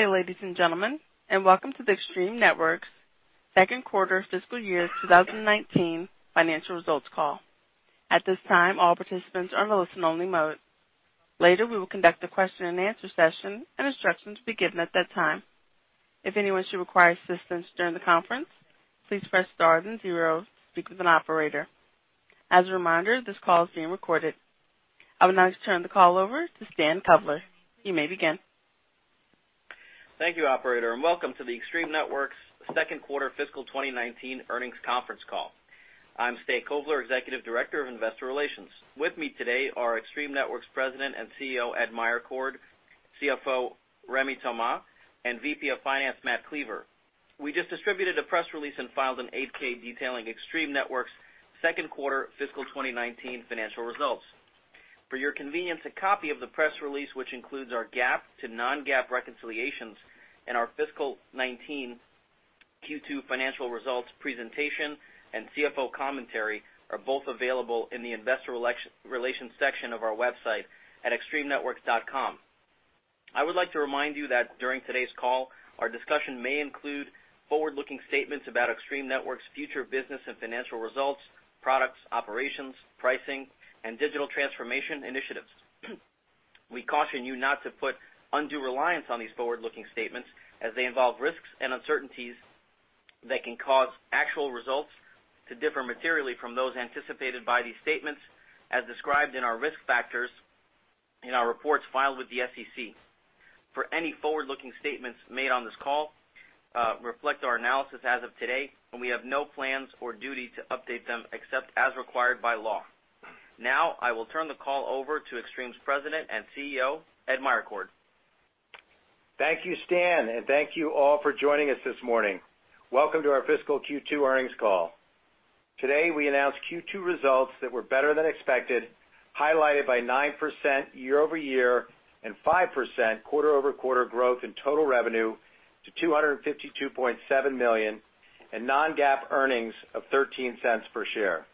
Good day, ladies and gentlemen. Welcome to the Extreme Networks second quarter fiscal year 2019 financial results call. At this time, all participants are in listen only mode. Later, we will conduct a question and answer session, and instructions will be given at that time. If anyone should require assistance during the conference, please press star then zero to speak with an operator. As a reminder, this call is being recorded. I would now like to turn the call over to Stan Kovler. You may begin. Thank you, operator. Welcome to the Extreme Networks second quarter fiscal 2019 earnings conference call. I am Stan Kovler, Executive Director of Investor Relations. With me today are Extreme Networks President and CEO, Ed Meyercord, CFO, Rémi Thomas, and VP of Finance, Matt Cleaver. We just distributed a press release and filed an 8-K detailing Extreme Networks' second quarter fiscal 2019 financial results. For your convenience, a copy of the press release, which includes our GAAP to non-GAAP reconciliations and our fiscal 2019 Q2 financial results presentation and CFO commentary, are both available in the Investor Relations section of our website at extremenetworks.com. I would like to remind you that during today's call, our discussion may include forward-looking statements about Extreme Networks' future business and financial results, products, operations, pricing, and digital transformation initiatives. We caution you not to put undue reliance on these forward-looking statements as they involve risks and uncertainties that can cause actual results to differ materially from those anticipated by these statements as described in our risk factors in our reports filed with the SEC. For any forward-looking statements made on this call, reflect our analysis as of today. We have no plans or duty to update them except as required by law. Now, I will turn the call over to Extreme's President and CEO, Ed Meyercord. Thank you, Stan. Thank you all for joining us this morning. Welcome to our fiscal Q2 earnings call. Today, we announced Q2 results that were better than expected, highlighted by 9% year-over-year and 5% quarter-over-quarter growth in total revenue to $252.7 million and non-GAAP earnings of $0.13 per share.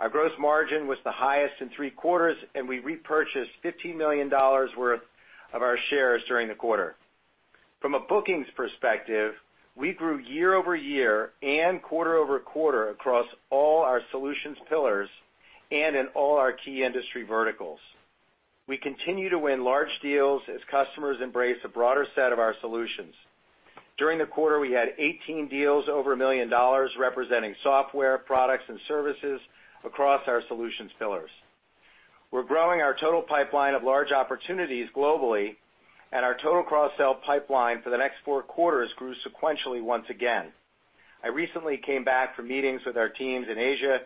Our gross margin was the highest in three quarters. We repurchased $15 million worth of our shares during the quarter. From a bookings perspective, we grew year-over-year and quarter-over-quarter across all our solutions pillars and in all our key industry verticals. We continue to win large deals as customers embrace a broader set of our solutions. During the quarter, we had 18 deals over $1 million representing software, products and services across our solutions pillars. We're growing our total pipeline of large opportunities globally, our total cross-sell pipeline for the next four quarters grew sequentially once again. I recently came back from meetings with our teams in Asia,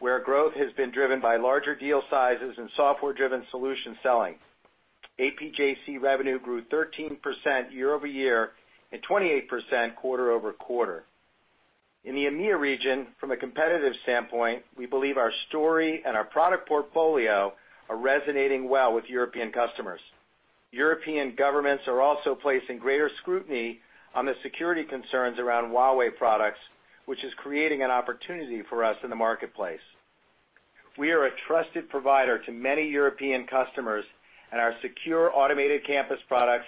where growth has been driven by larger deal sizes and software-driven solution selling. APJC revenue grew 13% year-over-year and 28% quarter-over-quarter. In the EMEA region, from a competitive standpoint, we believe our story and our product portfolio are resonating well with European customers. European governments are also placing greater scrutiny on the security concerns around Huawei products, which is creating an opportunity for us in the marketplace. We are a trusted provider to many European customers, and our secure Automated Campus products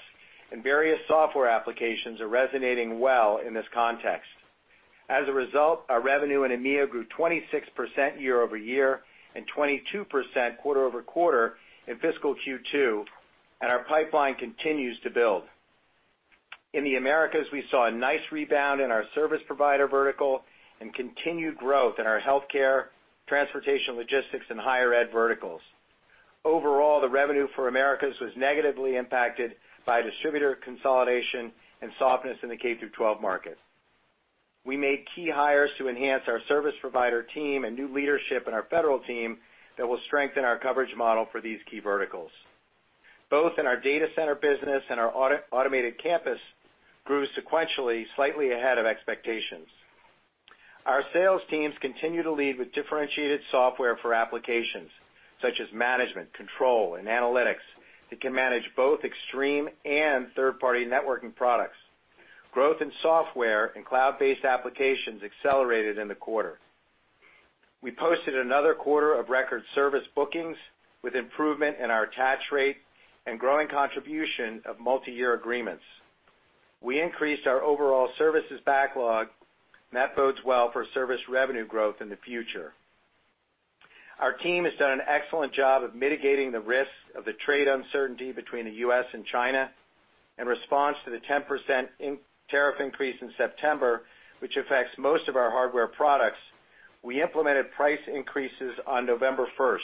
and various software applications are resonating well in this context. As a result, our revenue in EMEA grew 26% year-over-year and 22% quarter-over-quarter in fiscal Q2, our pipeline continues to build. In the Americas, we saw a nice rebound in our service provider vertical and continued growth in our healthcare, transportation, logistics, and higher ed verticals. Overall, the revenue for Americas was negatively impacted by distributor consolidation and softness in the K-12 market. We made key hires to enhance our service provider team and new leadership in our federal team that will strengthen our coverage model for these key verticals. Both in our data center business and our Automated Campus grew sequentially slightly ahead of expectations. Our sales teams continue to lead with differentiated software for applications such as management, control, and analytics that can manage both Extreme and third-party networking products. Growth in software and cloud-based applications accelerated in the quarter. We posted another quarter of record service bookings with improvement in our attach rate and growing contribution of multi-year agreements. We increased our overall services backlog, that bodes well for service revenue growth in the future. Our team has done an excellent job of mitigating the risks of the trade uncertainty between the U.S. and China. In response to the 10% tariff increase in September, which affects most of our hardware products, we implemented price increases on November 1st.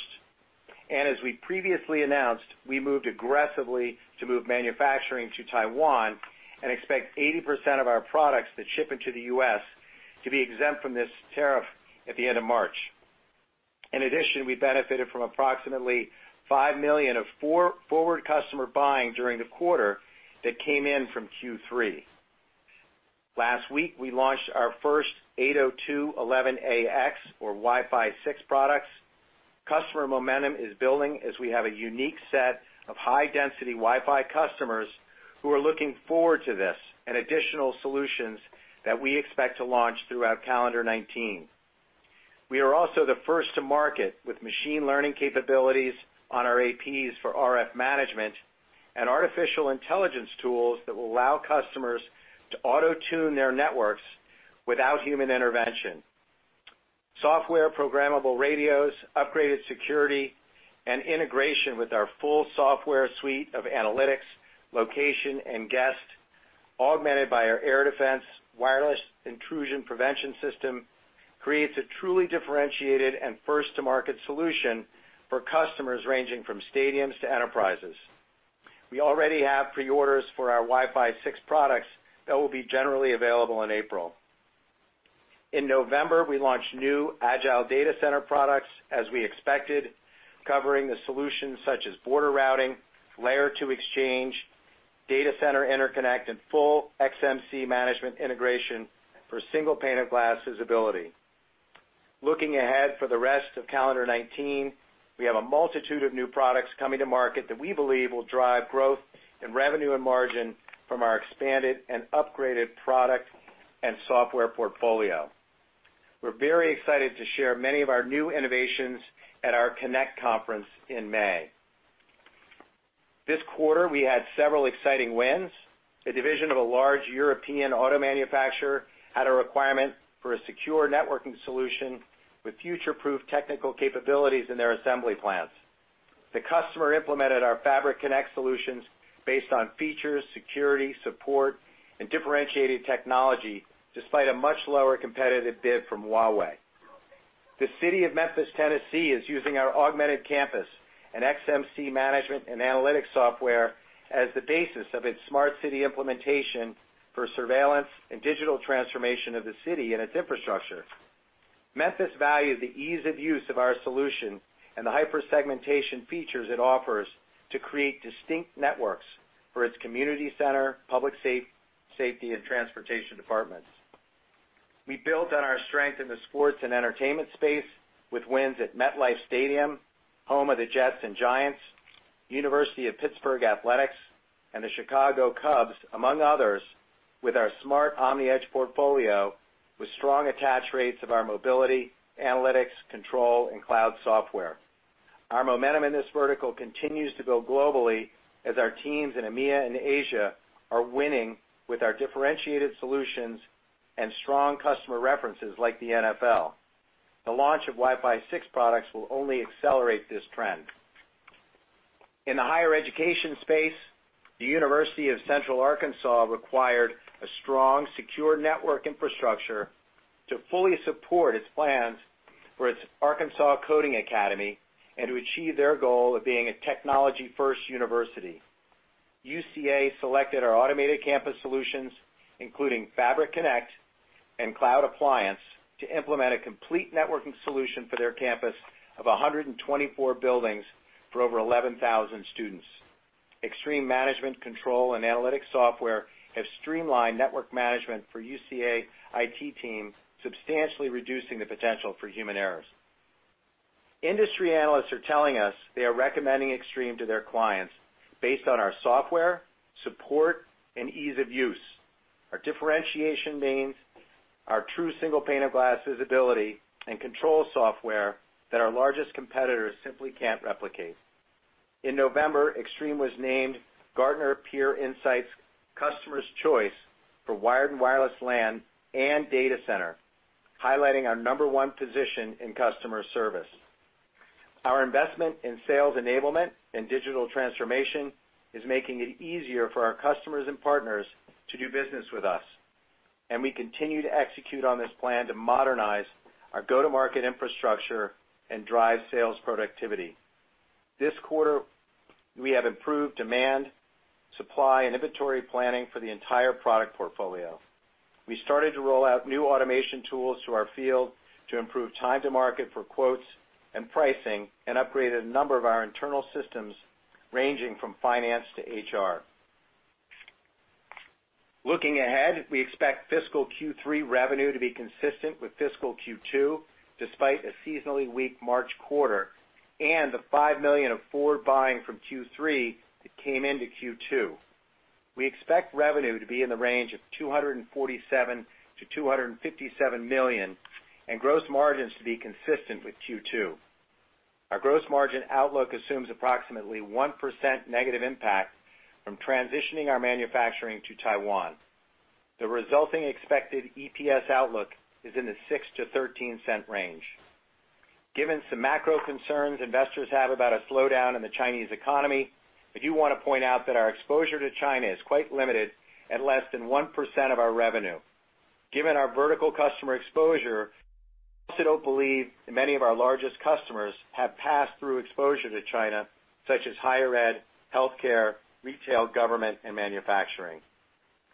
As we previously announced, we moved aggressively to move manufacturing to Taiwan and expect 80% of our products that ship into the U.S. to be exempt from this tariff at the end of March. In addition, we benefited from approximately $5 million of forward customer buying during the quarter that came in from Q3. Last week, we launched our first 802.11ax or Wi-Fi 6 products. Customer momentum is building as we have a unique set of high-density Wi-Fi customers who are looking forward to this and additional solutions that we expect to launch throughout calendar 2019. We are also the first to market with machine learning capabilities on our APs for RF management and artificial intelligence tools that will allow customers to auto-tune their networks without human intervention. Software programmable radios, upgraded security, and integration with our full software suite of analytics, location, and guest, augmented by our AirDefense wireless intrusion prevention system, creates a truly differentiated and first-to-market solution for customers ranging from stadiums to enterprises. We already have pre-orders for our Wi-Fi 6 products that will be generally available in April. In November, we launched new Agile Data Center products as we expected, covering the solutions such as border routing, Layer 2 Exchange, data center interconnect, and full XMC management integration for a single pane of glass visibility. Looking ahead for the rest of calendar 2019, we have a multitude of new products coming to market that we believe will drive growth in revenue and margin from our expanded and upgraded product and software portfolio. We are very excited to share many of our new innovations at our Extreme Connect conference in May. This quarter, we had several exciting wins. A division of a large European auto manufacturer had a requirement for a secure networking solution with future-proof technical capabilities in their assembly plants. The customer implemented our Fabric Connect solutions based on features, security, support, and differentiated technology, despite a much lower competitive bid from Huawei. The city of Memphis, Tennessee, is using our Automated Campus and XMC management and analytics software as the basis of its smart city implementation for surveillance and digital transformation of the city and its infrastructure. Memphis valued the ease of use of our solution and the hyper-segmentation features it offers to create distinct networks for its community center, public safety, and transportation departments. We built on our strength in the sports and entertainment space with wins at MetLife Stadium, home of the Jets and Giants, University of Pittsburgh Athletics, and the Chicago Cubs, among others, with our Smart OmniEdge portfolio with strong attach rates of our mobility, analytics, control, and cloud software. Our momentum in this vertical continues to build globally as our teams in EMEA and Asia are winning with our differentiated solutions and strong customer references like the NFL. The launch of Wi-Fi 6 products will only accelerate this trend. In the higher education space, the University of Central Arkansas required a strong, secure network infrastructure to fully support its plans for its Arkansas Coding Academy and to achieve their goal of being a technology-first university. UCA selected our Automated Campus solutions, including Fabric Connect and ExtremeCloud Appliance, to implement a complete networking solution for their campus of 124 buildings for over 11,000 students. Extreme management control and analytics software have streamlined network management for UCA IT team, substantially reducing the potential for human errors. Industry analysts are telling us they are recommending Extreme to their clients based on our software, support, and ease of use. Our differentiation means our true single pane of glass visibility and control software that our largest competitors simply can't replicate. In November, Extreme was named Gartner Peer Insights Customers Choice for wired and wireless LAN and data center, highlighting our number one position in customer service. Our investment in sales enablement and digital transformation is making it easier for our customers and partners to do business with us. We continue to execute on this plan to modernize our go-to-market infrastructure and drive sales productivity. This quarter, we have improved demand, supply, and inventory planning for the entire product portfolio. We started to roll out new automation tools to our field to improve time to market for quotes and pricing. We upgraded a number of our internal systems, ranging from finance to HR. Looking ahead, we expect fiscal Q3 revenue to be consistent with fiscal Q2, despite a seasonally weak March quarter and the $5 million of forward buying from Q3 that came into Q2. We expect revenue to be in the range of $247 million-$257 million, and gross margins to be consistent with Q2. Our gross margin outlook assumes approximately 1% negative impact from transitioning our manufacturing to Taiwan. The resulting expected EPS outlook is in the $0.06-$0.13 range. Given some macro concerns investors have about a slowdown in the Chinese economy, I do want to point out that our exposure to China is quite limited at less than 1% of our revenue. Given our vertical customer exposure, I also don't believe many of our largest customers have passed through exposure to China, such as higher ed, healthcare, retail, government, and manufacturing.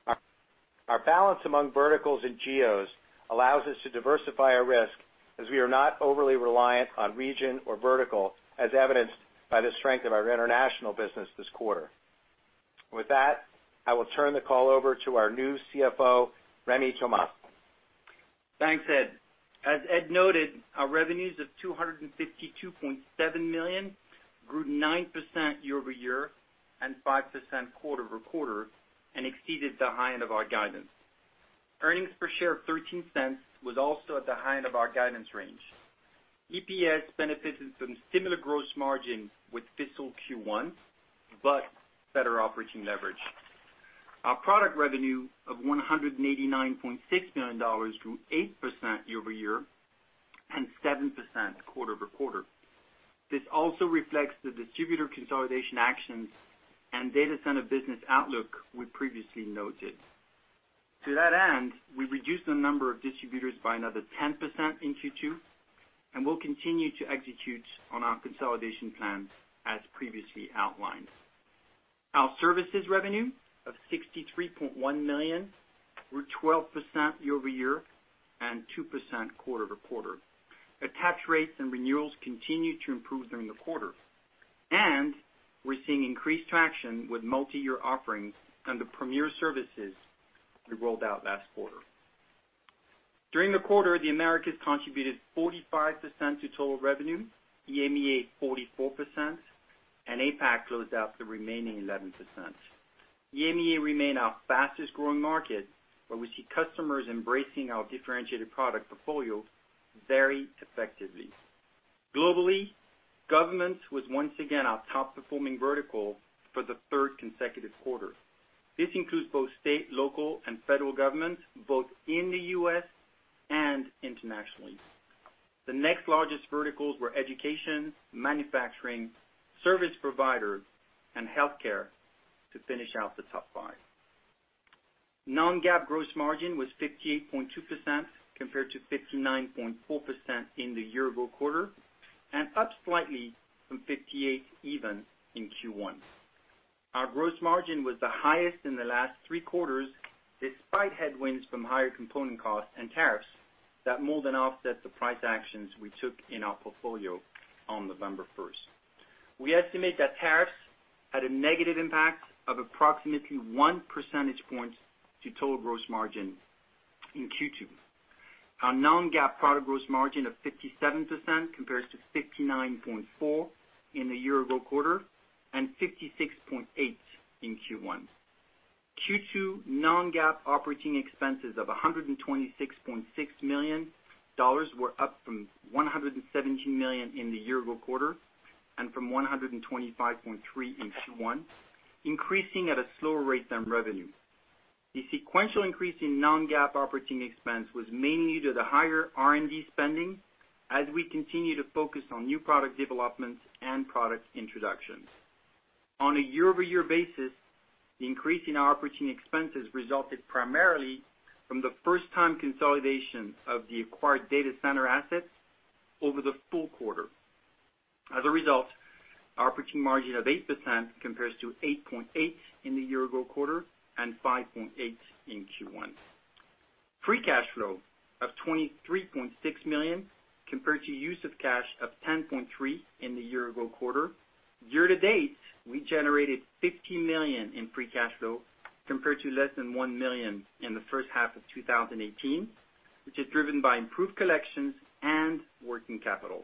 Our balance among verticals and geos allows us to diversify our risk, as we are not overly reliant on region or vertical, as evidenced by the strength of our international business this quarter. With that, I will turn the call over to our new CFO, Rémi Thomas. Thanks, Ed. As Ed noted, our revenues of $252.7 million grew 9% year-over-year. 5% quarter-over-quarter and exceeded the high end of our guidance. Earnings per share of $0.13 was also at the high end of our guidance range. EPS benefited from similar gross margin with fiscal Q1, but better operating leverage. Our product revenue of $189.6 million grew 8% year-over-year and 7% quarter-over-quarter. This also reflects the distributor consolidation actions and data center business outlook we previously noted. To that end, we reduced the number of distributors by another 10% in Q2, and will continue to execute on our consolidation plans as previously outlined. Our services revenue of $63.1 million were 12% year-over-year and 2% quarter-over-quarter. Attach rates and renewals continued to improve during the quarter, and we're seeing increased traction with multi-year offerings under Premier Services we rolled out last quarter. During the quarter, the Americas contributed 45% to total revenue, EMEA 44%, and APAC closed out the remaining 11%. EMEA remain our fastest-growing market, where we see customers embracing our differentiated product portfolio very effectively. Globally, government was once again our top-performing vertical for the third consecutive quarter. This includes both state, local, and federal governments, both in the U.S. and internationally. The next largest verticals were education, manufacturing, service provider, and healthcare to finish out the top five. Non-GAAP gross margin was 58.2% compared to 59.4% in the year-ago quarter, and up slightly from 58% in Q1. Our gross margin was the highest in the last three quarters, despite headwinds from higher component costs and tariffs that more than offset the price actions we took in our portfolio on November 1st. We estimate that tariffs had a negative impact of approximately one percentage point to total gross margin in Q2. Our non-GAAP product gross margin of 57% compares to 59.4% in the year-ago quarter and 56.8% in Q1. Q2 non-GAAP operating expenses of $126.6 million were up from $117 million in the year-ago quarter and from $125.3 million in Q1, increasing at a slower rate than revenue. The sequential increase in non-GAAP operating expense was mainly due to the higher R&D spending as we continue to focus on new product developments and product introductions. On a year-over-year basis, the increase in our operating expenses resulted primarily from the first-time consolidation of the acquired data center assets over the full quarter. As a result, operating margin of 8% compares to 8.8% in the year-ago quarter and 5.8% in Q1. Free cash flow of $23.6 million compared to use of cash of $10.3 million in the year-ago quarter. Year to date, we generated $15 million in free cash flow compared to less than $1 million in the first half of 2018, which is driven by improved collections and working capital.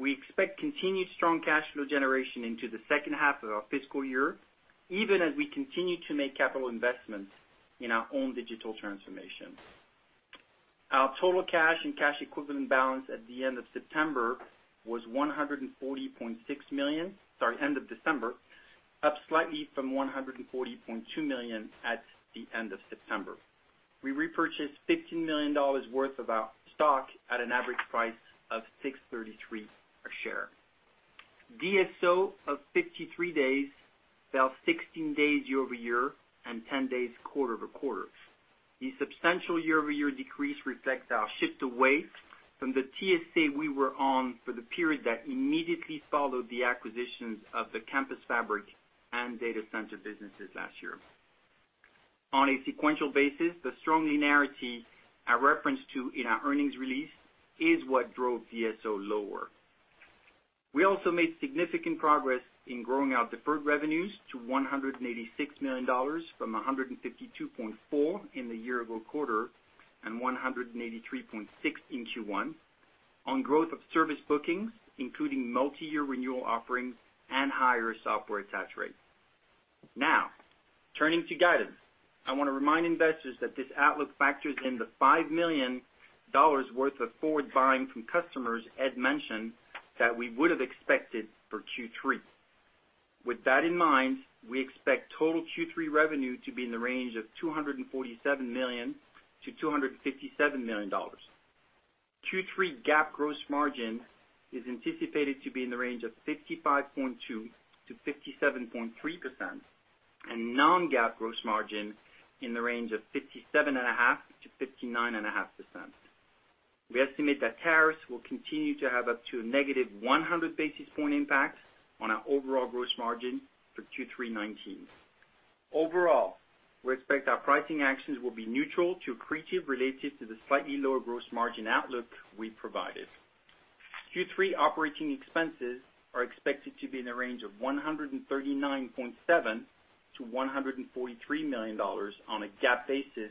We expect continued strong cash flow generation into the second half of our fiscal year, even as we continue to make capital investments in our own digital transformation. Our total cash and cash equivalent balance at the end of September was $140.6 million. Sorry, end of December, up slightly from $140.2 million at the end of September. We repurchased $15 million worth of our stock at an average price of $6.33 a share. DSO of 53 days, down 16 days year-over-year and 10 days quarter-over-quarter. The substantial year-over-year decrease reflects our shift away from the TSA we were on for the period that immediately followed the acquisitions of the Fabric Connect and data center businesses last year. On a sequential basis, the strong linearity I referenced in our earnings release is what drove DSO lower. We also made significant progress in growing our deferred revenues to $186 million from $152.4 million in the year-ago quarter and $183.6 million in Q1 on growth of service bookings, including multiyear renewal offerings and higher software attach rates. Now, turning to guidance. I want to remind investors that this outlook factors in the $5 million worth of forward buying from customers Ed mentioned that we would have expected for Q3. With that in mind, we expect total Q3 revenue to be in the range of $247 million-$257 million. Q3 GAAP gross margin is anticipated to be in the range of 55.2%-57.3%, and non-GAAP gross margin in the range of 57.5%-59.5%. We estimate that tariffs will continue to have up to a negative 100 basis point impact on our overall gross margin for Q3 2019. Overall, we expect our pricing actions will be neutral to accretive related to the slightly lower gross margin outlook we provided. Q3 operating expenses are expected to be in the range of $139.7 million-$143 million on a GAAP basis-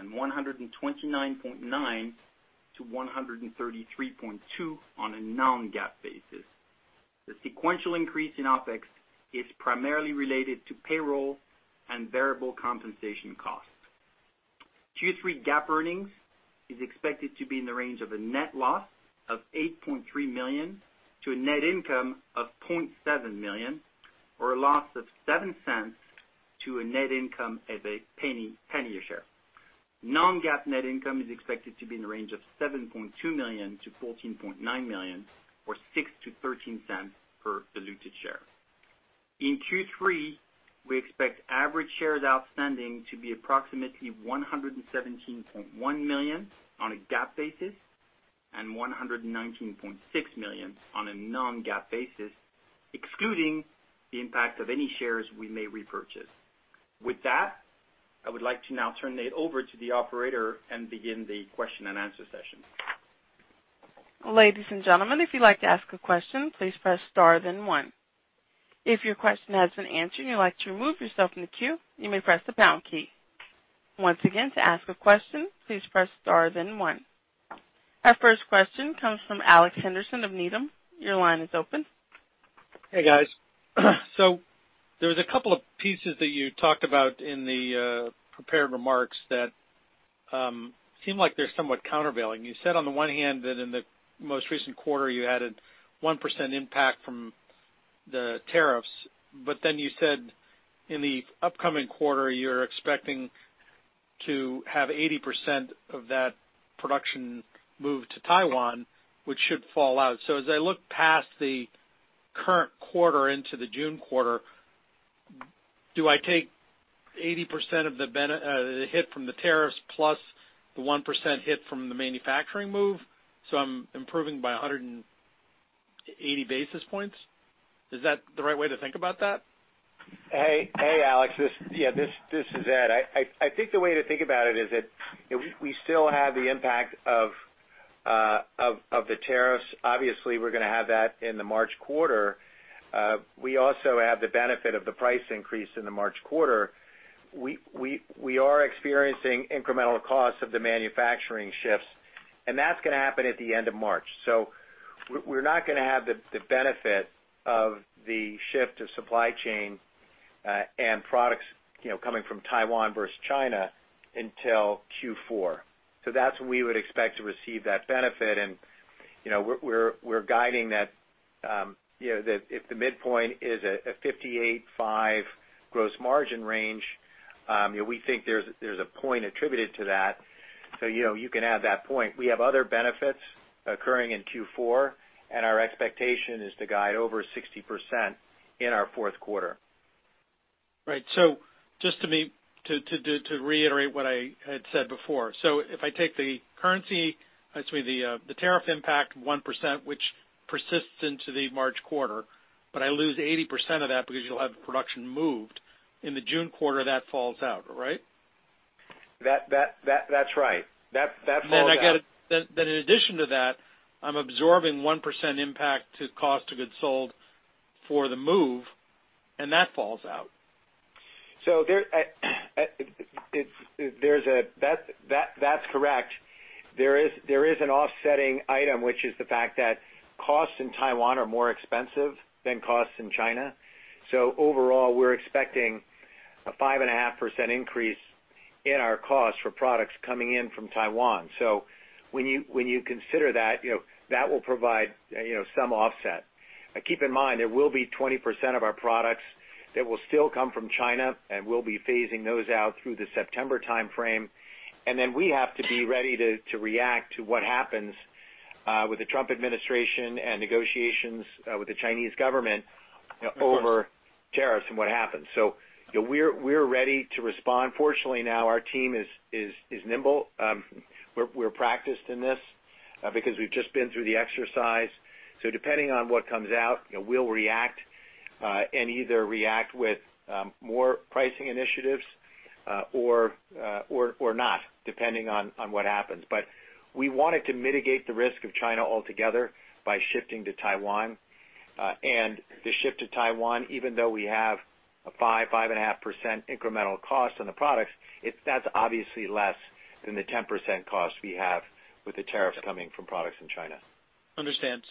$129.9 million-$133.2 million on a non-GAAP basis. The sequential increase in OpEx is primarily related to payroll and variable compensation costs. Q3 GAAP earnings is expected to be in the range of a net loss of $8.3 million to a net income of $0.7 million, or a loss of $0.07 to a net income of $0.01 a share. Non-GAAP net income is expected to be in the range of $7.2 million-$14.9 million, or $0.06-$0.13 per diluted share. In Q3, we expect average shares outstanding to be approximately 117.1 million on a GAAP basis and 119.6 million on a non-GAAP basis, excluding the impact of any shares we may repurchase. With that, I would like to now turn it over to the operator and begin the question and answer session. Ladies and gentlemen, if you'd like to ask a question, please press star then one. If your question has been answered, and you'd like to remove yourself from the queue, you may press the pound key. Once again, to ask a question, please press star then one. Our first question comes from Alex Henderson of Needham. Your line is open. Hey, guys. There was a couple of pieces that you talked about in the prepared remarks that seem like they're somewhat countervailing. You said on the one hand that in the most recent quarter, you added 1% impact from the tariffs, but then you said in the upcoming quarter, you're expecting to have 80% of that production move to Taiwan, which should fall out. As I look past the current quarter into the June quarter, do I take 80% of the hit from the tariffs plus the 1% hit from the manufacturing move, so I'm improving by 180 basis points? Is that the right way to think about that? Hey, Alex. Yeah, this is Ed. I think the way to think about it is that we still have the impact of the tariffs. Obviously, we're going to have that in the March quarter. We also have the benefit of the price increase in the March quarter. We are experiencing incremental costs of the manufacturing shifts, and that's going to happen at the end of March. We're not going to have the benefit of the shift of supply chain and products coming from Taiwan versus China until Q4. That's when we would expect to receive that benefit. We're guiding that if the midpoint is a 58.5% gross margin range, we think there's a point attributed to that. You can add that point. We have other benefits occurring in Q4, and our expectation is to guide over 60% in our fourth quarter. Just to reiterate what I had said before. If I take the currency, excuse me, the tariff impact 1%, which persists into the March quarter, I lose 80% of that because you'll have production moved. In the June quarter, that falls out, right? That's right. That falls out. In addition to that, I'm absorbing 1% impact to cost of goods sold for the move. That falls out. That's correct. There is an offsetting item, which is the fact that costs in Taiwan are more expensive than costs in China. Overall, we're expecting a 5.5% increase in our cost for products coming in from Taiwan. When you consider that will provide some offset. Keep in mind, there will be 20% of our products that will still come from China, and we'll be phasing those out through the September timeframe. We have to be ready to react to what happens with the Trump administration and negotiations with the Chinese government over tariffs and what happens. We're ready to respond. Fortunately, now our team is nimble. We're practiced in this because we've just been through the exercise. Depending on what comes out, we'll react and either react with more pricing initiatives or not, depending on what happens. We wanted to mitigate the risk of China altogether by shifting to Taiwan. The shift to Taiwan, even though we have a 5%, 5.5% incremental cost on the products, that's obviously less than the 10% cost we have with the tariffs coming from products in China. Understand.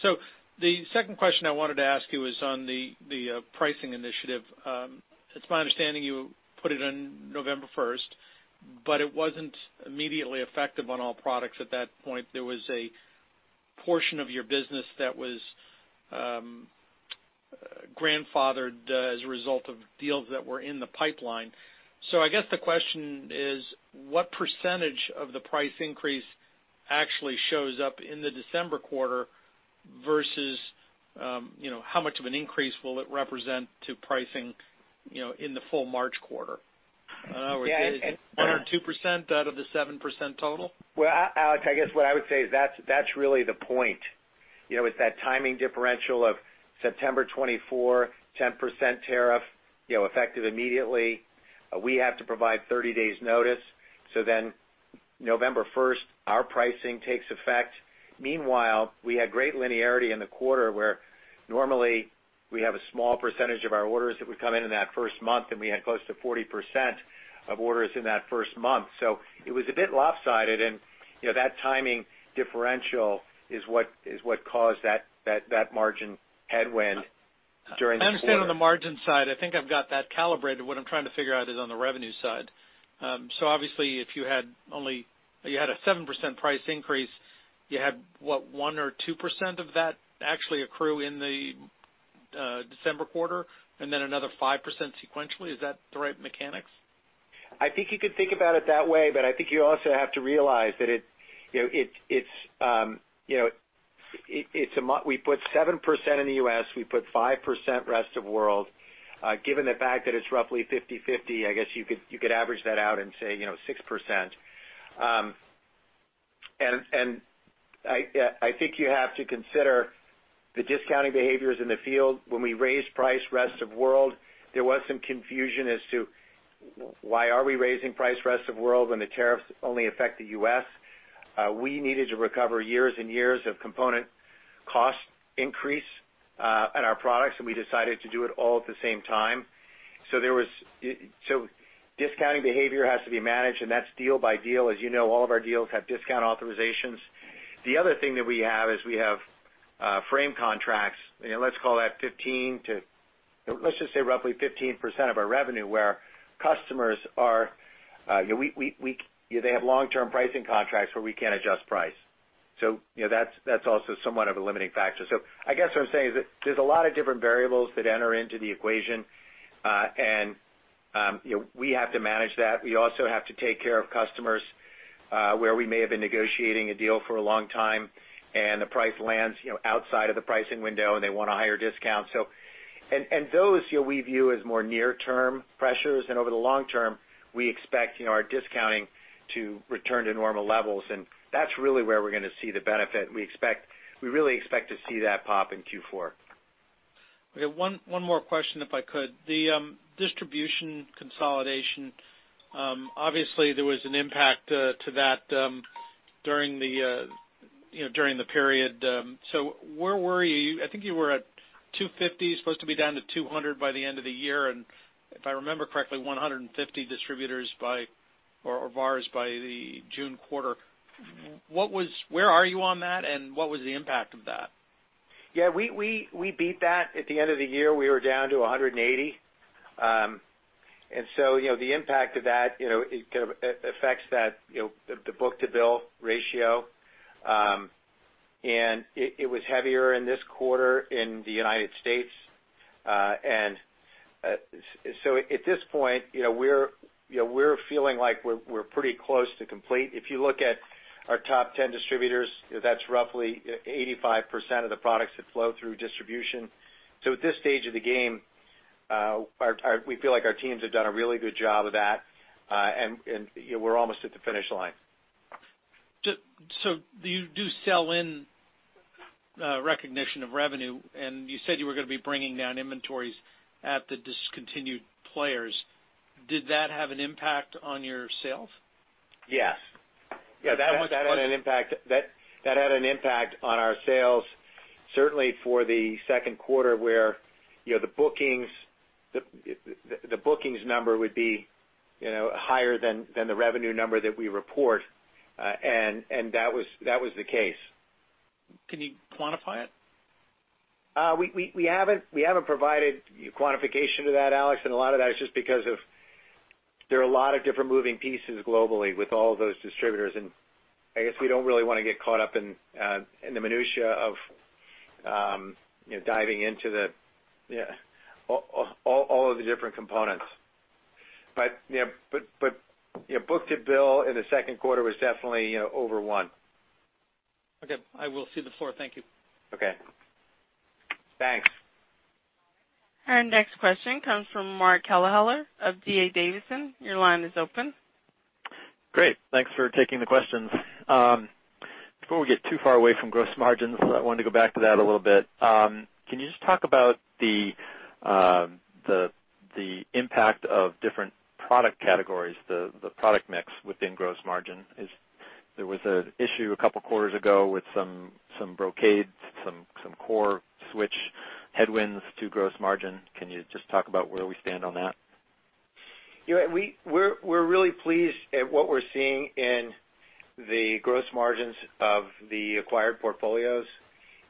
The second question I wanted to ask you is on the pricing initiative. It's my understanding you put it in November 1st, it wasn't immediately effective on all products at that point. There was a portion of your business that was grandfathered as a result of deals that were in the pipeline. I guess the question is, what percentage of the price increase actually shows up in the December quarter versus how much of an increase will it represent to pricing in the full March quarter? 1% or 2% out of the 7% total? Well, Alex, I guess what I would say is that's really the point. It's that timing differential of September 24, 10% tariff effective immediately. We have to provide 30 days notice. November 1st, our pricing takes effect. Meanwhile, we had great linearity in the quarter where normally we have a small percentage of our orders that would come in in that first month, and we had close to 40% of orders in that first month. It was a bit lopsided, and that timing differential is what caused that margin headwind during the quarter. I understand on the margin side. I think I've got that calibrated. What I'm trying to figure out is on the revenue side. Obviously, if you had a 7% price increase, you had, what, 1% or 2% of that actually accrue in the December quarter, and then another 5% sequentially? Is that the right mechanics? I think you could think about it that way, but I think you also have to realize that we put 7% in the U.S., we put 5% rest of world. Given the fact that it's roughly 50/50, I guess you could average that out and say 6%. I think you have to consider the discounting behaviors in the field. When we raised price rest of world, there was some confusion as to why are we raising price rest of world when the tariffs only affect the U.S. We needed to recover years and years of component cost increase on our products, and we decided to do it all at the same time. Discounting behavior has to be managed, and that's deal by deal. As you know, all of our deals have discount authorizations. The other thing that we have is we have frame contracts, let's just say roughly 15% of our revenue, where they have long-term pricing contracts where we can't adjust price. That's also somewhat of a limiting factor. I guess what I'm saying is that there's a lot of different variables that enter into the equation, and we have to manage that. We also have to take care of customers, where we may have been negotiating a deal for a long time and the price lands outside of the pricing window and they want a higher discount. Those we view as more near-term pressures. Over the long term, we expect our discounting to return to normal levels, and that's really where we're going to see the benefit. We really expect to see that pop in Q4. Okay. One more question, if I could. The distribution consolidation, obviously there was an impact to that during the period. Where were you? I think you were at 250, supposed to be down to 200 by the end of the year. If I remember correctly, 150 distributors or VARs by the June quarter. Where are you on that, and what was the impact of that? Yeah, we beat that at the end of the year. We were down to 180. The impact of that, it affects the book to bill ratio. It was heavier in this quarter in the United States. At this point, we're feeling like we're pretty close to complete. If you look at our top 10 distributors, that's roughly 85% of the products that flow through distribution. At this stage of the game, we feel like our teams have done a really good job of that, and we're almost at the finish line. You do sell-in recognition of revenue, and you said you were going to be bringing down inventories at the discontinued players. Did that have an impact on your sales? Yes. That had an impact on our sales, certainly for the second quarter where the bookings number would be higher than the revenue number that we report. That was the case. Can you quantify it? We haven't provided quantification to that, Alex, and a lot of that is just because of there are a lot of different moving pieces globally with all of those distributors, and I guess we don't really want to get caught up in the minutia of diving into all of the different components. Book to bill in the second quarter was definitely over one. Okay. I will cede the floor. Thank you. Okay. Thanks. Our next question comes from Mark Kelleher of D.A. Davidson. Your line is open. Great. Thanks for taking the questions. Before we get too far away from gross margins, I wanted to go back to that a little bit. Can you just talk about the impact of different product categories, the product mix within gross margin? There was an issue a couple quarters ago with some Brocade, some core switch headwinds to gross margin. Can you just talk about where we stand on that? We're really pleased at what we're seeing in the gross margins of the acquired portfolios.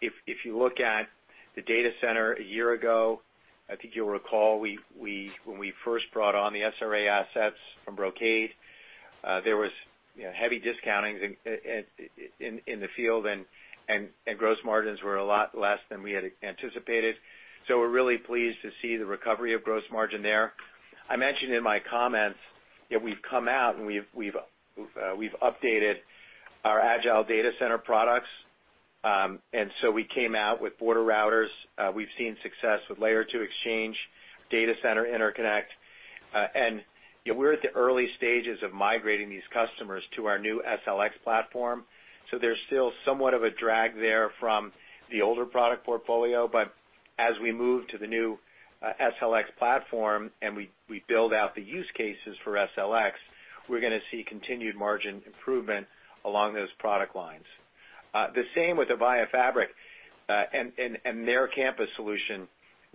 If you look at the data center a year ago, I think you'll recall when we first brought on the SLX assets from Brocade, there was heavy discounting in the field and gross margins were a lot less than we had anticipated. We're really pleased to see the recovery of gross margin there. I mentioned in my comments that we've come out and we've updated our Agile Data Center products. We came out with border routers. We've seen success with Layer 2 Exchange, data center Interconnect. We're at the early stages of migrating these customers to our new SLX platform. There's still somewhat of a drag there from the older product portfolio. As we move to the new SLX platform and we build out the use cases for SLX, we're going to see continued margin improvement along those product lines. The same with Avaya Fabric and their campus solution.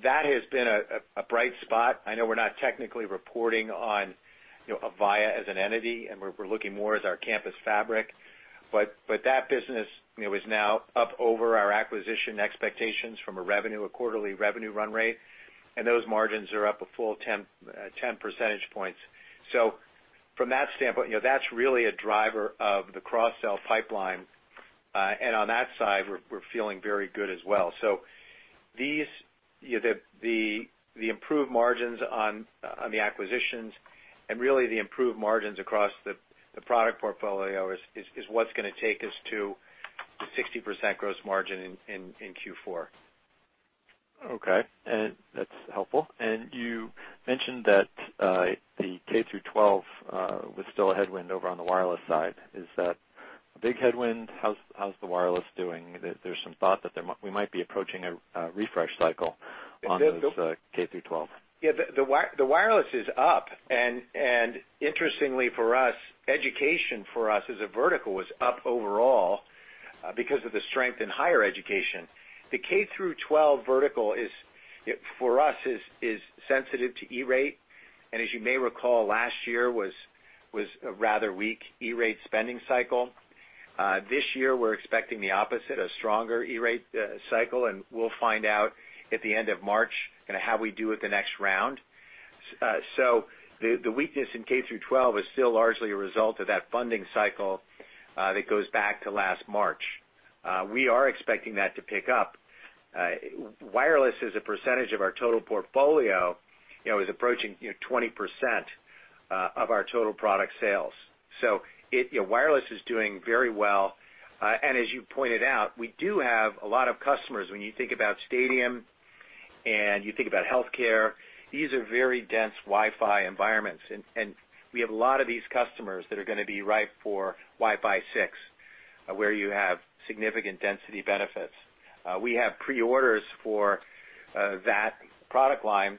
That has been a bright spot. I know we're not technically reporting on Avaya as an entity, and we're looking more as our campus fabric, but that business is now up over our acquisition expectations from a quarterly revenue run rate, and those margins are up a full 10 percentage points. From that standpoint, that's really a driver of the cross-sell pipeline. On that side, we're feeling very good as well. The improved margins on the acquisitions and really the improved margins across the product portfolio is what's going to take us to the 60% gross margin in Q4. Okay. That's helpful. You mentioned that the K-12 was still a headwind over on the wireless side. Is that a big headwind? How's the wireless doing? There's some thought that we might be approaching a refresh cycle on those K-12. Yeah, the wireless is up, and interestingly for us, education for us as a vertical was up overall because of the strength in higher education. The K-12 vertical for us is sensitive to E-Rate, and as you may recall, last year was a rather weak E-Rate spending cycle. This year, we're expecting the opposite, a stronger E-Rate cycle, and we'll find out at the end of March how we do with the next round. The weakness in K-12 is still largely a result of that funding cycle that goes back to last March. We are expecting that to pick up. Wireless as a percentage of our total portfolio, is approaching 20% of our total product sales. Wireless is doing very well. As you pointed out, we do have a lot of customers. When you think about stadium and you think about healthcare, these are very dense Wi-Fi environments, and we have a lot of these customers that are going to be ripe for Wi-Fi 6, where you have significant density benefits. We have pre-orders for that product line,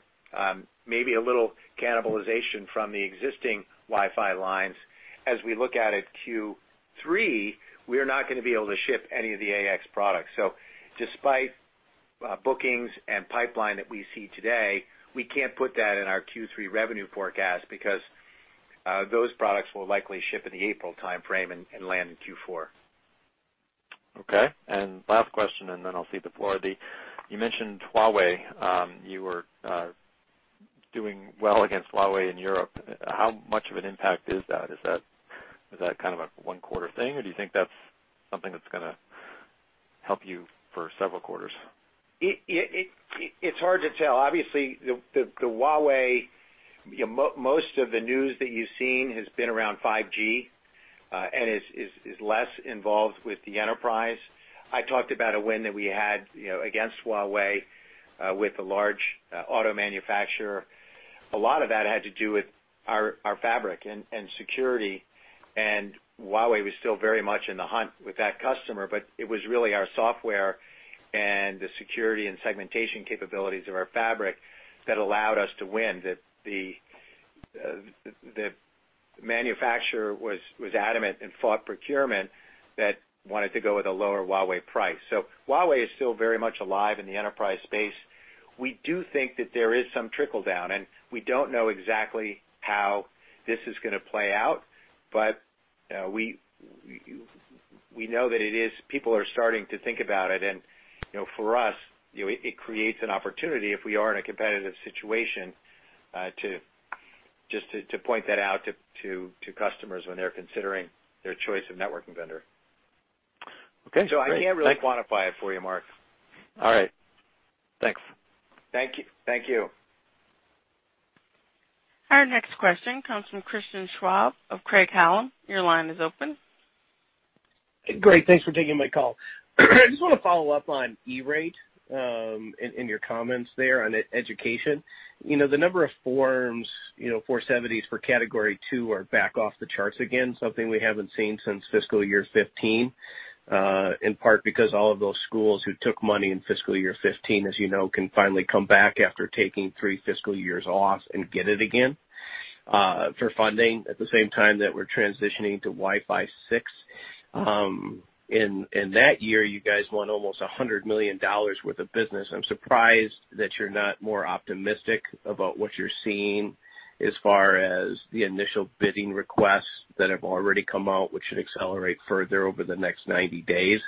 maybe a little cannibalization from the existing Wi-Fi lines. As we look out at Q3, we are not going to be able to ship any of the AX products. Despite bookings and pipeline that we see today, we can't put that in our Q3 revenue forecast because those products will likely ship in the April timeframe and land in Q4. Last question, then I'll cede the floor. You mentioned Huawei. You were doing well against Huawei in Europe. How much of an impact is that? Is that a one-quarter thing, or do you think that's something that's going to help you for several quarters? It's hard to tell. Obviously, the Huawei, most of the news that you've seen has been around 5G and is less involved with the enterprise. I talked about a win that we had against Huawei with a large auto manufacturer. A lot of that had to do with our fabric and security, and Huawei was still very much in the hunt with that customer, but it was really our software and the security and segmentation capabilities of our fabric that allowed us to win, that the manufacturer was adamant and fought procurement that wanted to go with a lower Huawei price. So Huawei is still very much alive in the enterprise space. We do think that there is some trickle-down, and we don't know exactly how this is going to play out, but we know that people are starting to think about it. For us, it creates an opportunity if we are in a competitive situation just to point that out to customers when they're considering their choice of networking vendor. Okay, great. I can't really quantify it for you, Mark. All right. Thanks. Thank you. Our next question comes from Christian Schwab of Craig-Hallum. Your line is open. Great. Thanks for taking my call. I just want to follow up on E-Rate and your comments there on education. The number of Form 470s for category 2 are back off the charts again, something we haven't seen since fiscal year 2015, in part because all of those schools who took money in fiscal year 2015, as you know, can finally come back after taking three fiscal years off and get it again for funding. At the same time that we're transitioning to Wi-Fi 6. In that year, you guys won almost $100 million worth of business. I'm surprised that you're not more optimistic about what you're seeing as far as the initial bidding requests that have already come out, which should accelerate further over the next 90 days.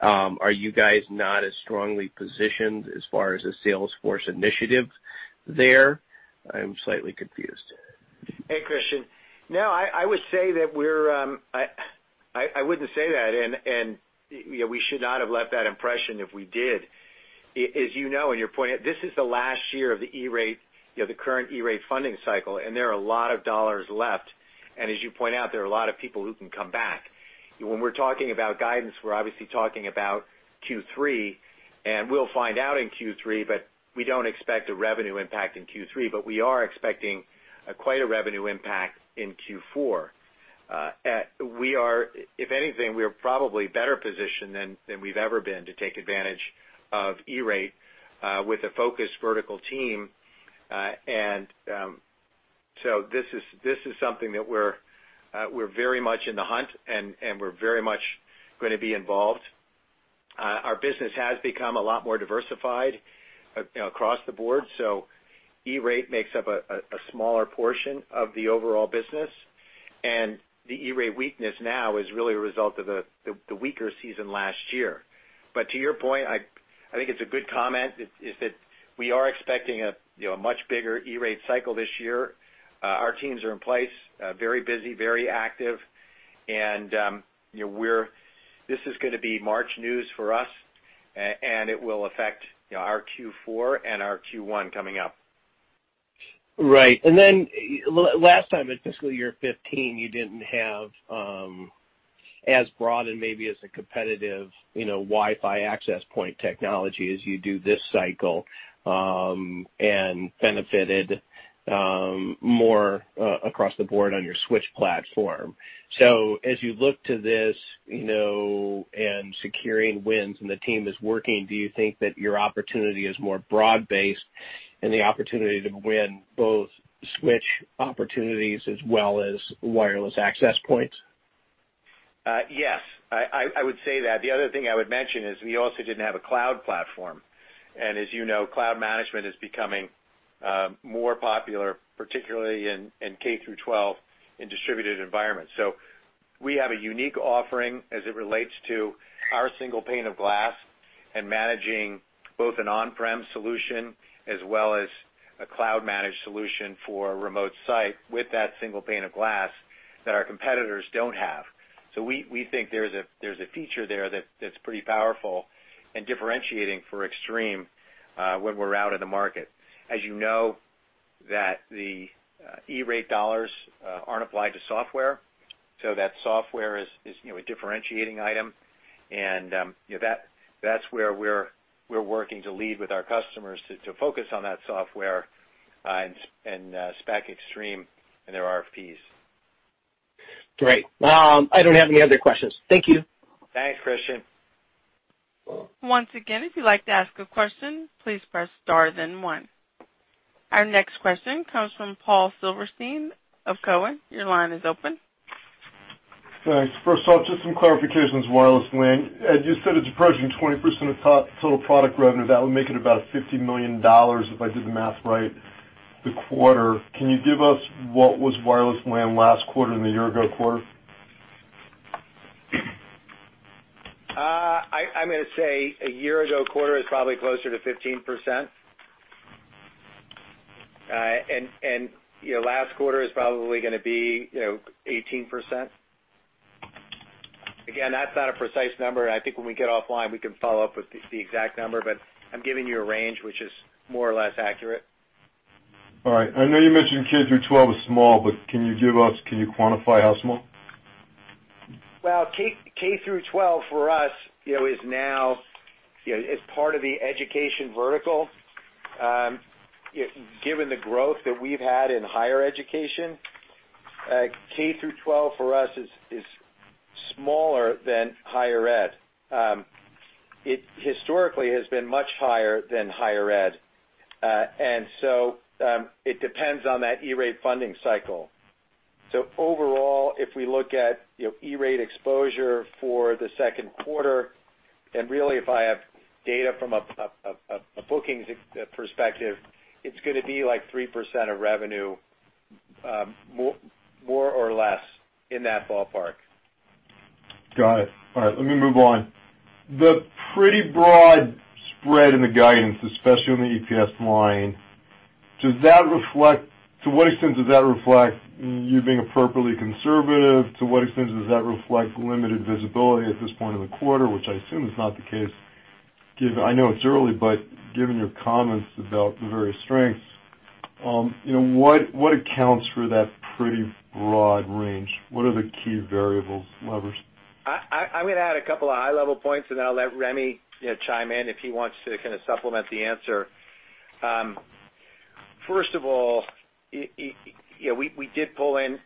Are you guys not as strongly positioned as far as a sales force initiative there? I'm slightly confused. Hey, Christian. No, I wouldn't say that, and we should not have left that impression if we did. As you know, and you're pointing out, this is the last year of the current E-Rate funding cycle, and there are a lot of dollars left. As you point out, there are a lot of people who can come back. When we're talking about guidance, we're obviously talking about Q3, and we'll find out in Q3, but we don't expect a revenue impact in Q3, but we are expecting quite a revenue impact in Q4. If anything, we are probably better positioned than we've ever been to take advantage of E-Rate with a focused vertical team. This is something that we're very much in the hunt, and we're very much going to be involved. Our business has become a lot more diversified across the board. E-Rate makes up a smaller portion of the overall business, and the E-Rate weakness now is really a result of the weaker season last year. To your point, I think it's a good comment, is that we are expecting a much bigger E-Rate cycle this year. Our teams are in place, very busy, very active. This is going to be March news for us, and it will affect our Q4 and our Q1 coming up. Right. Then last time in fiscal year 2015, you didn't have as broad and maybe as a competitive Wi-Fi access point technology as you do this cycle, and benefited more across the board on your switch platform. As you look to this, and securing wins, and the team is working, do you think that your opportunity is more broad-based and the opportunity to win both switch opportunities as well as wireless access points? Yes, I would say that. The other thing I would mention is we also didn't have a cloud platform. As you know, cloud management is becoming more popular, particularly in K-12 in distributed environments. We have a unique offering as it relates to our single pane of glass and managing both an on-prem solution as well as a cloud-managed solution for a remote site with that single pane of glass that our competitors don't have. We think there's a feature there that's pretty powerful and differentiating for Extreme when we're out in the market. As you know, that the E-Rate dollars aren't applied to software, so that software is a differentiating item. That's where we're working to lead with our customers to focus on that software and spec Extreme and their RFPs. Great. I don't have any other questions. Thank you. Thanks, Christian. Once again, if you'd like to ask a question, please press star then one. Our next question comes from Paul Silverstein of Cowen. Your line is open. Thanks. First off, just some clarification on wireless LAN. Ed, you said it's approaching 20% of total product revenue. That would make it about $50 million if I did the math right, this quarter. Can you give us what was wireless LAN last quarter and the year ago quarter? I'm going to say a year ago quarter is probably closer to 15%. Last quarter is probably going to be 18%. Again, that's not a precise number, and I think when we get off line, we can follow up with the exact number. I'm giving you a range which is more or less accurate. All right. I know you mentioned K-12 is small, can you quantify how small? Well, K-12 for us, is part of the education vertical. Given the growth that we've had in higher education, K-12 for us is smaller than higher Ed. It historically has been much higher than higher ed. It depends on that E-Rate funding cycle. Overall, if we look at E-Rate exposure for the second quarter, and really, if I have data from a bookings perspective, it's going to be like 3% of revenue, more or less, in that ballpark. Got it. All right. Let me move on. The pretty broad spread in the guidance, especially on the EPS line, to what extent does that reflect you being appropriately conservative? To what extent does that reflect limited visibility at this point in the quarter, which I assume is not the case? I know it's early, but given your comments about the various strengths, what accounts for that pretty broad range? What are the key variables, levers? I'm going to add a couple of high-level points, and then I'll let Rémi chime in if he wants to kind of supplement the answer. First of all, we did pull in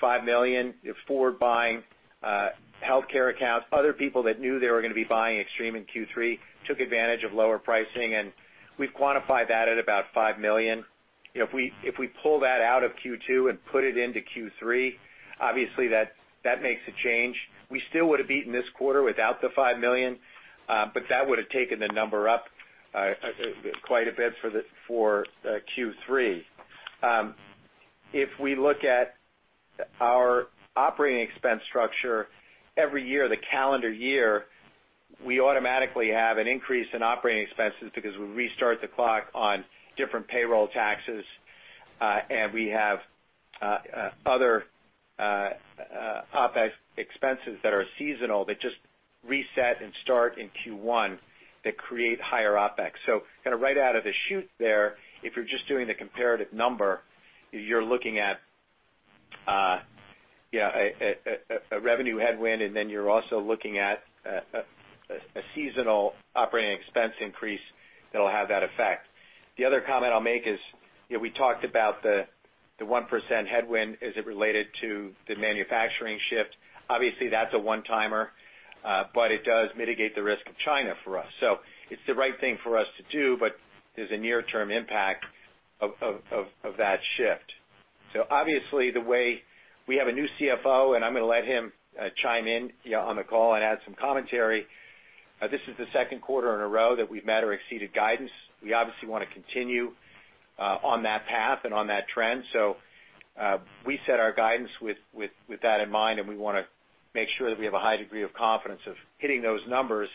$5 million forward buying healthcare accounts. Other people that knew they were going to be buying Extreme in Q3 took advantage of lower pricing, and we've quantified that at about $5 million. If we pull that out of Q2 and put it into Q3, obviously that makes a change. We still would've beaten this quarter without the $5 million, but that would've taken the number up quite a bit for Q3. If we look at our operating expense structure every year, the calendar year, we automatically have an increase in operating expenses because we restart the clock on different payroll taxes, and we have other OpEx expenses that are seasonal that just reset and start in Q1 that create higher OpEx. Kind of right out of the chute there, if you're just doing the comparative number, you're looking at a revenue headwind, and then you're also looking at a seasonal operating expense increase that'll have that effect. The other comment I'll make is, we talked about the 1% headwind as it related to the manufacturing shift. Obviously, that's a one-timer, but it does mitigate the risk of China for us. It's the right thing for us to do, but there's a near-term impact of that shift. Obviously, we have a new CFO, and I'm going to let him chime in on the call and add some commentary. This is the second quarter in a row that we've met or exceeded guidance. We obviously want to continue on that path and on that trend. We set our guidance with that in mind, and we want to make sure that we have a high degree of confidence of hitting those numbers,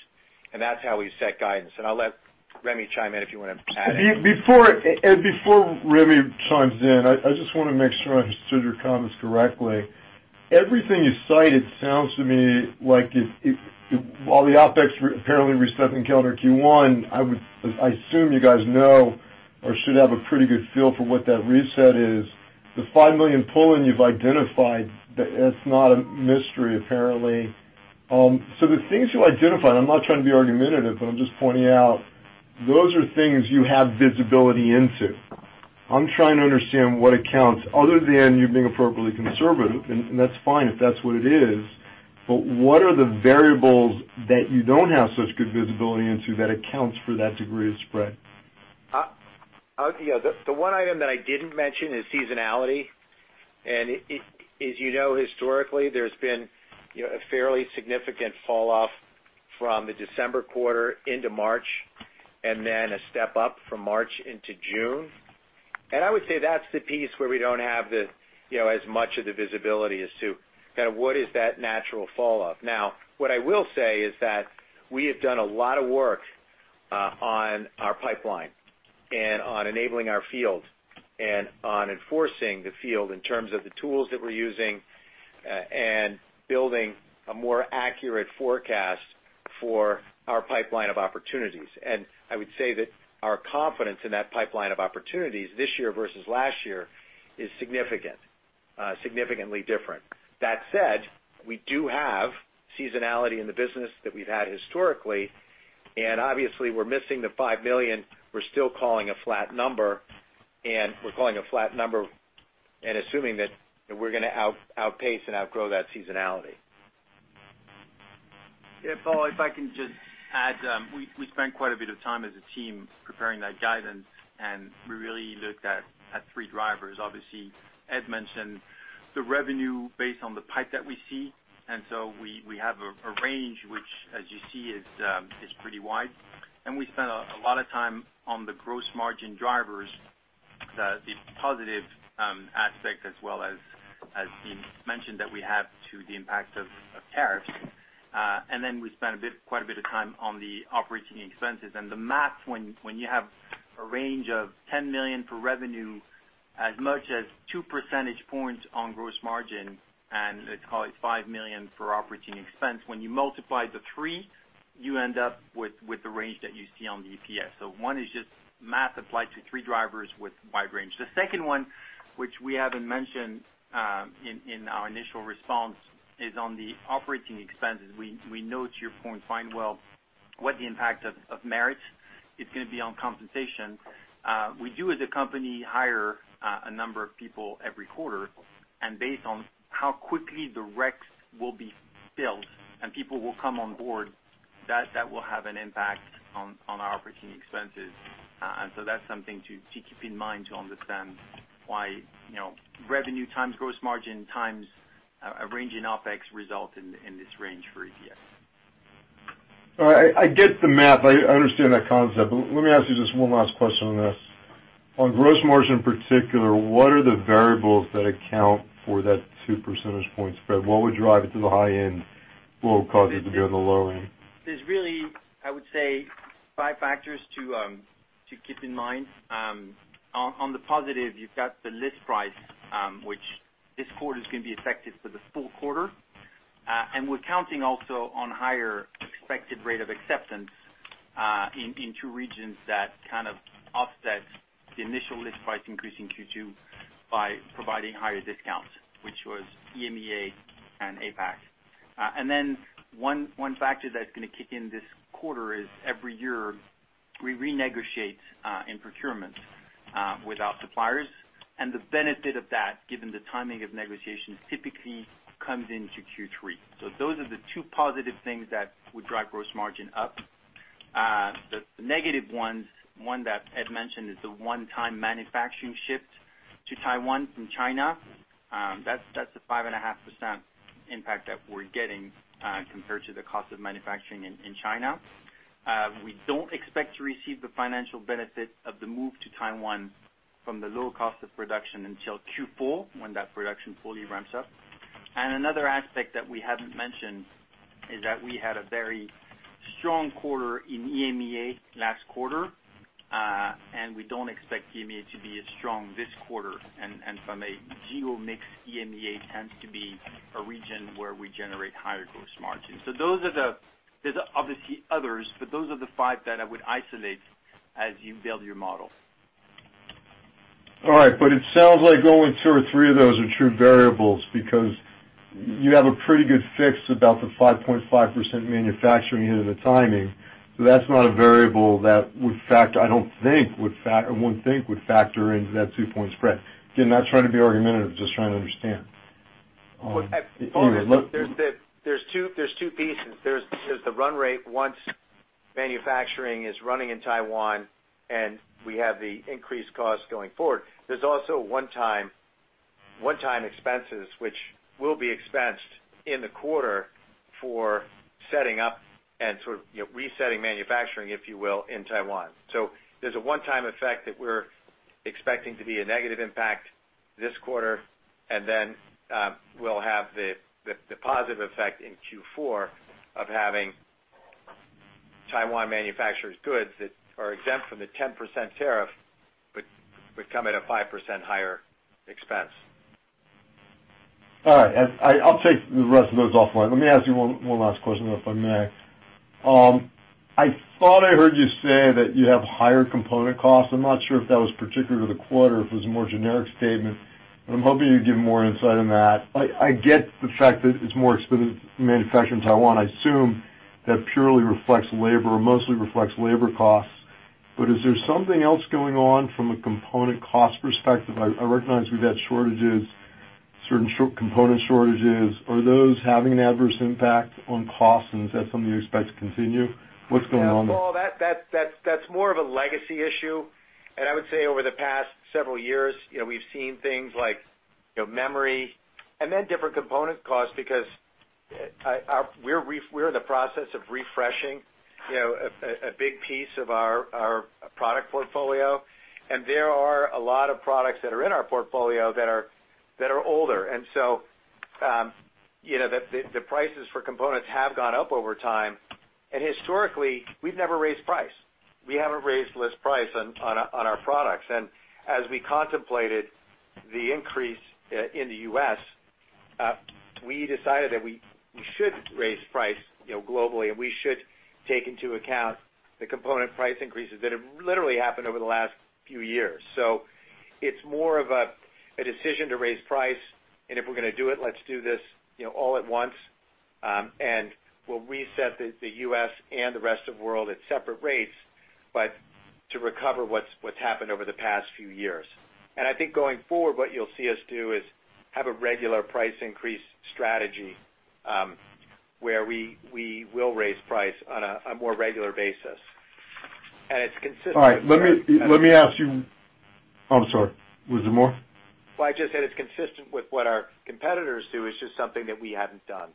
and that's how we set guidance. I'll let Rémi chime in if you want to add anything. Before Rémi chimes in, I just want to make sure I understood your comments correctly. Everything you cited sounds to me like while the OpEx apparently reset in calendar Q1, I assume you guys know or should have a pretty good feel for what that reset is. The $5 million pull-in you've identified, it's not a mystery, apparently. The things you identified, I'm not trying to be argumentative, but I'm just pointing out those are things you have visibility into. I'm trying to understand what accounts, other than you being appropriately conservative, and that's fine if that's what it is, but what are the variables that you don't have such good visibility into that accounts for that degree of spread? The one item that I didn't mention is seasonality, and as you know historically, there's been a fairly significant falloff from the December quarter into March, and then a step up from March into June. I would say that's the piece where we don't have as much of the visibility as to what is that natural falloff. Now, what I will say is that we have done a lot of work on our pipeline and on enabling our field and on enforcing the field in terms of the tools that we're using and building a more accurate forecast for our pipeline of opportunities. I would say that our confidence in that pipeline of opportunities this year versus last year is significantly different. That said, we do have seasonality in the business that we've had historically, and obviously we're missing the $5 million we're still calling a flat number, and we're calling a flat number and assuming that we're going to outpace and outgrow that seasonality. If I can just add, we spent quite a bit of time as a team preparing that guidance, we really looked at three drivers. Obviously, Ed mentioned the revenue based on the pipe that we see, we have a range, which as you see is pretty wide. We spent a lot of time on the gross margin drivers, the positive aspect as well as being mentioned that we have to the impact of tariffs. We spent quite a bit of time on the operating expenses. The math, when you have a range of $10 million for revenue, as much as two percentage points on gross margin, and let's call it $5 million for operating expense. When you multiply the three, you end up with the range that you see on the EPS. One is just math applied to three drivers with wide range. The second one, which we haven't mentioned in our initial response, is on the operating expenses. We note your point fine well what the impact of merit is going to be on compensation. We do, as a company, hire a number of people every quarter, based on how quickly the recs will be filled and people will come on board, that will have an impact on our operating expenses. That's something to keep in mind to understand why revenue times gross margin times a range in OpEx result in this range for EPS. All right. I get the math. I understand that concept. Let me ask you just one last question on this. On gross margin in particular, what are the variables that account for that two percentage point spread? What would drive it to the high end? What would cause it to be on the low end? There's really, I would say five factors to keep in mind. On the positive, you've got the list price, which this quarter is going to be effective for the full quarter. We're counting also on higher expected rate of acceptance in two regions that kind of offset the initial list price increase in Q2 by providing higher discounts, which was EMEA and APAC. One factor that's going to kick in this quarter is every year we renegotiate in procurement with our suppliers, and the benefit of that, given the timing of negotiations, typically comes into Q3. Those are the two positive things that would drive gross margin up. The negative ones, one that Ed mentioned, is the one-time manufacturing shift to Taiwan from China. That's the 5.5% impact that we're getting compared to the cost of manufacturing in China. We don't expect to receive the financial benefit of the move to Taiwan from the low cost of production until Q4 when that production fully ramps up. Another aspect that we haven't mentioned is that we had a very strong quarter in EMEA last quarter, we don't expect EMEA to be as strong this quarter. From a geo mix, EMEA tends to be a region where we generate higher gross margin. There's obviously others, but those are the five that I would isolate as you build your model. All right. It sounds like only two or three of those are true variables, because you have a pretty good fix about the 5.5% manufacturing and the timing. That's not a variable that I wouldn't think would factor into that two-point spread. Again, not trying to be argumentative, just trying to understand. Well, there's two pieces. There's the run rate, once manufacturing is running in Taiwan, and we have the increased cost going forward. There's also one-time expenses which will be expensed in the quarter for setting up and resetting manufacturing, if you will, in Taiwan. There's a one-time effect that we're expecting to be a negative impact this quarter, and then we'll have the positive effect in Q4 of having Taiwan manufacture goods that are exempt from the 10% tariff, but come at a 5% higher expense. All right. I'll take the rest of those offline. Let me ask you one last question, though, if I may. I thought I heard you say that you have higher component costs. I'm not sure if that was particular to the quarter or if it was a more generic statement, but I'm hoping you give more insight on that. I get the fact that it's more expensive to manufacture in Taiwan. I assume that purely reflects labor, or mostly reflects labor costs. Is there something else going on from a component cost perspective? I recognize we've had shortages, certain component shortages. Are those having an adverse impact on costs, and is that something you expect to continue? What's going on there? Paul, that's more of a legacy issue. I would say over the past several years, we've seen things like memory and then different component costs because we're in the process of refreshing a big piece of our product portfolio. There are a lot of products that are in our portfolio that are older. The prices for components have gone up over time. Historically, we've never raised price. We haven't raised list price on our products. As we contemplated the increase in the U.S., we decided that we should raise price globally, and we should take into account the component price increases that have literally happened over the last few years. It's more of a decision to raise price, and if we're going to do it, let's do this all at once. We'll reset the U.S. and the rest of the world at separate rates, but to recover what's happened over the past few years. I think going forward, what you'll see us do is have a regular price increase strategy, where we will raise price on a more regular basis. It's consistent- All right. Let me ask you, I'm sorry. Was there more? Well, I just said it's consistent with what our competitors do. It's just something that we haven't done.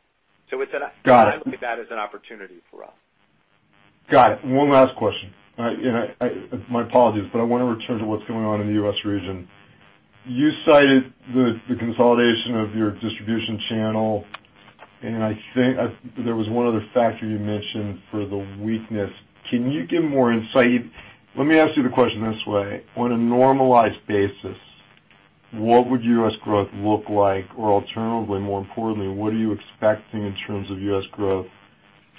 Got it. I look at that as an opportunity for us. Got it. One last question. My apologies, I want to return to what's going on in the U.S. region. You cited the consolidation of your distribution channel, and there was one other factor you mentioned for the weakness. Can you give more insight? Let me ask you the question this way. On a normalized basis, what would U.S. growth look like? Alternatively, more importantly, what are you expecting in terms of U.S. growth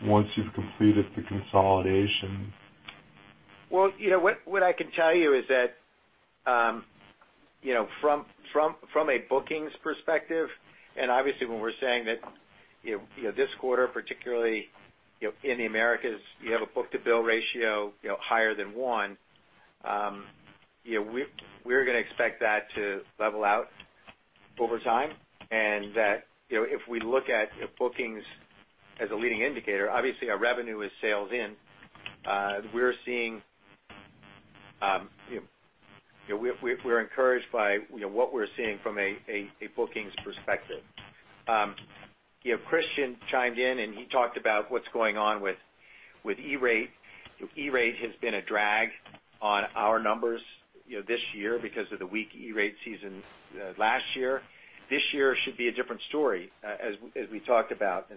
once you've completed the consolidation? What I can tell you is that from a bookings perspective, obviously when we're saying that this quarter, particularly in the Americas, you have a book-to-bill ratio higher than one. We're going to expect that to level out over time, that if we look at bookings as a leading indicator, obviously our revenue is sales in. We're encouraged by what we're seeing from a bookings perspective. Christian chimed in and he talked about what's going on with E-rate. E-rate has been a drag on our numbers this year because of the weak E-rate season last year. This year should be a different story, as we talked about.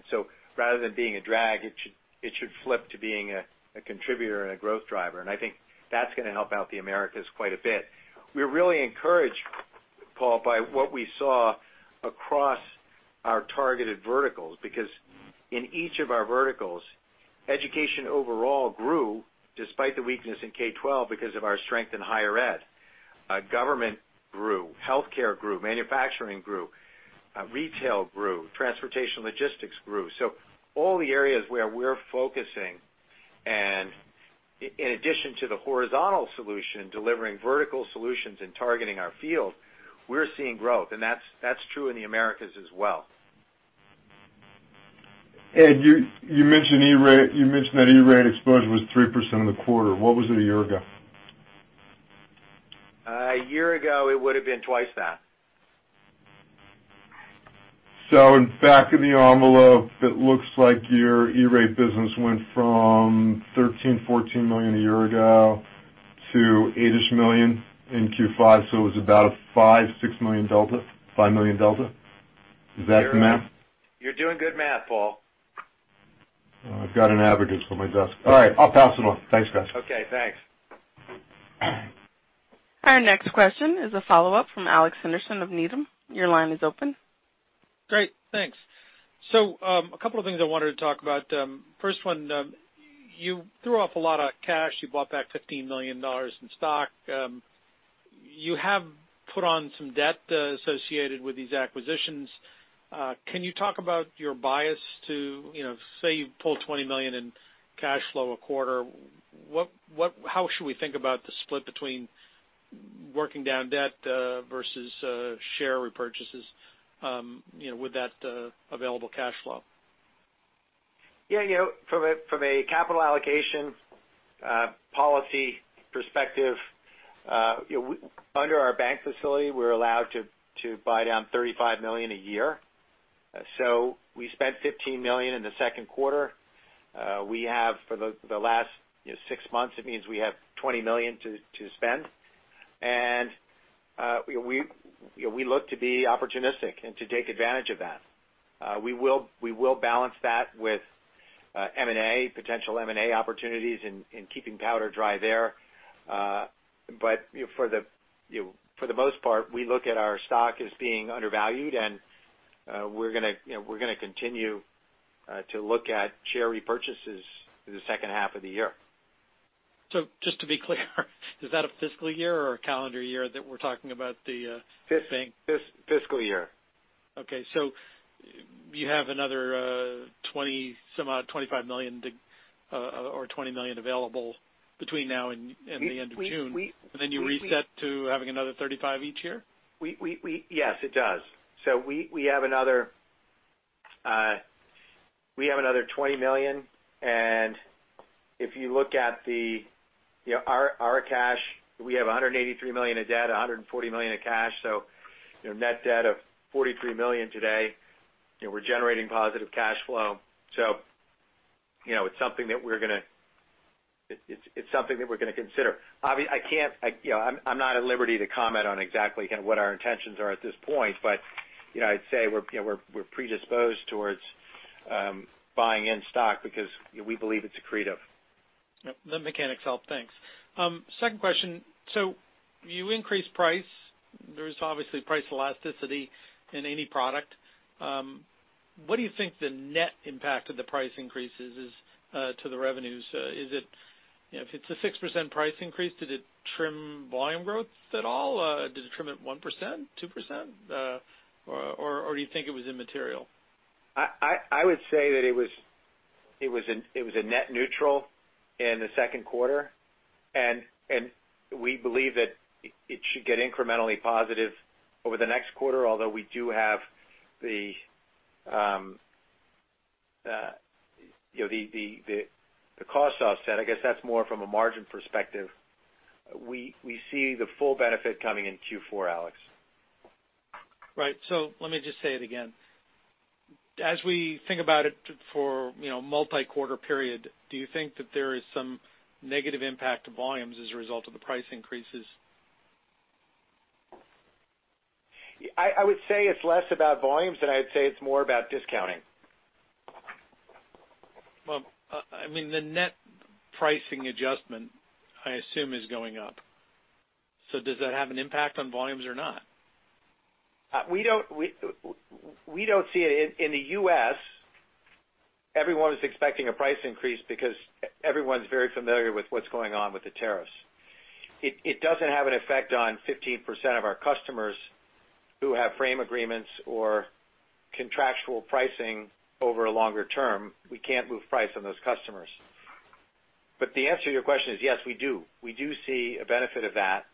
Rather than being a drag, it should flip to being a contributor and a growth driver. I think that's going to help out the Americas quite a bit. We're really encouraged, Paul, by what we saw across our targeted verticals, because in each of our verticals, education overall grew despite the weakness in K-12 because of our strength in higher ed. Government grew, healthcare grew, manufacturing grew, retail grew, transportation logistics grew. All the areas where we're focusing, and in addition to the horizontal solution, delivering vertical solutions and targeting our field, we're seeing growth. That's true in the Americas as well. Ed, you mentioned that E-Rate exposure was 3% of the quarter. What was it a year ago? A year ago, it would've been twice that. In fact, in the envelope, it looks like your E-Rate business went from $13 million, $14 million a year ago to $8-ish million in Q5. It was about a $5 million, $6 million delta, $5 million delta. Is that the math? You're doing good math, Paul. I've got an averages on my desk. All right, I'll pass it on. Thanks, guys. Okay, thanks. Our next question is a follow-up from Alex Henderson of Needham. Your line is open. Great, thanks. A couple of things I wanted to talk about. First one, you threw off a lot of cash. You bought back $15 million in stock. You have put on some debt associated with these acquisitions. Can you talk about your bias to, say you pull $20 million in cash flow a quarter, how should we think about the split between working down debt versus share repurchases with that available cash flow. Yeah. From a capital allocation policy perspective, under our bank facility, we're allowed to buy down $35 million a year. We spent $15 million in the second quarter. We have for the last six months, it means we have $20 million to spend. We look to be opportunistic and to take advantage of that. We will balance that with M&A, potential M&A opportunities, and keeping powder dry there. For the most part, we look at our stock as being undervalued, and we're going to continue to look at share repurchases through the second half of the year. Just to be clear, is that a fiscal year or a calendar year that we're talking about? Fiscal year. Okay. You have another $20 million, some odd, $25 million, or $20 million available between now and the end of June. We- You reset to having another $35 each year? Yes, it does. We have another $20 million, and if you look at our cash, we have $183 million of debt, $140 million of cash, so net debt of $43 million today. We're generating positive cash flow. It's something that we're going to consider. I'm not at liberty to comment on exactly what our intentions are at this point, but I'd say we're predisposed towards buying in stock because we believe it's accretive. Yep. The mechanics help. Thanks. Second question. You increase price. There's obviously price elasticity in any product. What do you think the net impact of the price increases is to the revenues? If it's a 6% price increase, did it trim volume growth at all? Did it trim it 1%, 2%? Or do you think it was immaterial? I would say that it was a net neutral in the second quarter, and we believe that it should get incrementally positive over the next quarter, although we do have the cost offset. I guess that's more from a margin perspective. We see the full benefit coming in Q4, Alex. Right. Let me just say it again. As we think about it for multi-quarter period, do you think that there is some negative impact to volumes as a result of the price increases? I would say it's less about volumes, and I'd say it's more about discounting. Well, I mean, the net pricing adjustment, I assume, is going up. Does that have an impact on volumes or not? We don't see it. In the U.S., everyone is expecting a price increase because everyone's very familiar with what's going on with the tariffs. It doesn't have an effect on 15% of our customers who have frame agreements or contractual pricing over a longer term. We can't move price on those customers. The answer to your question is, yes, we do. We do see a benefit of that.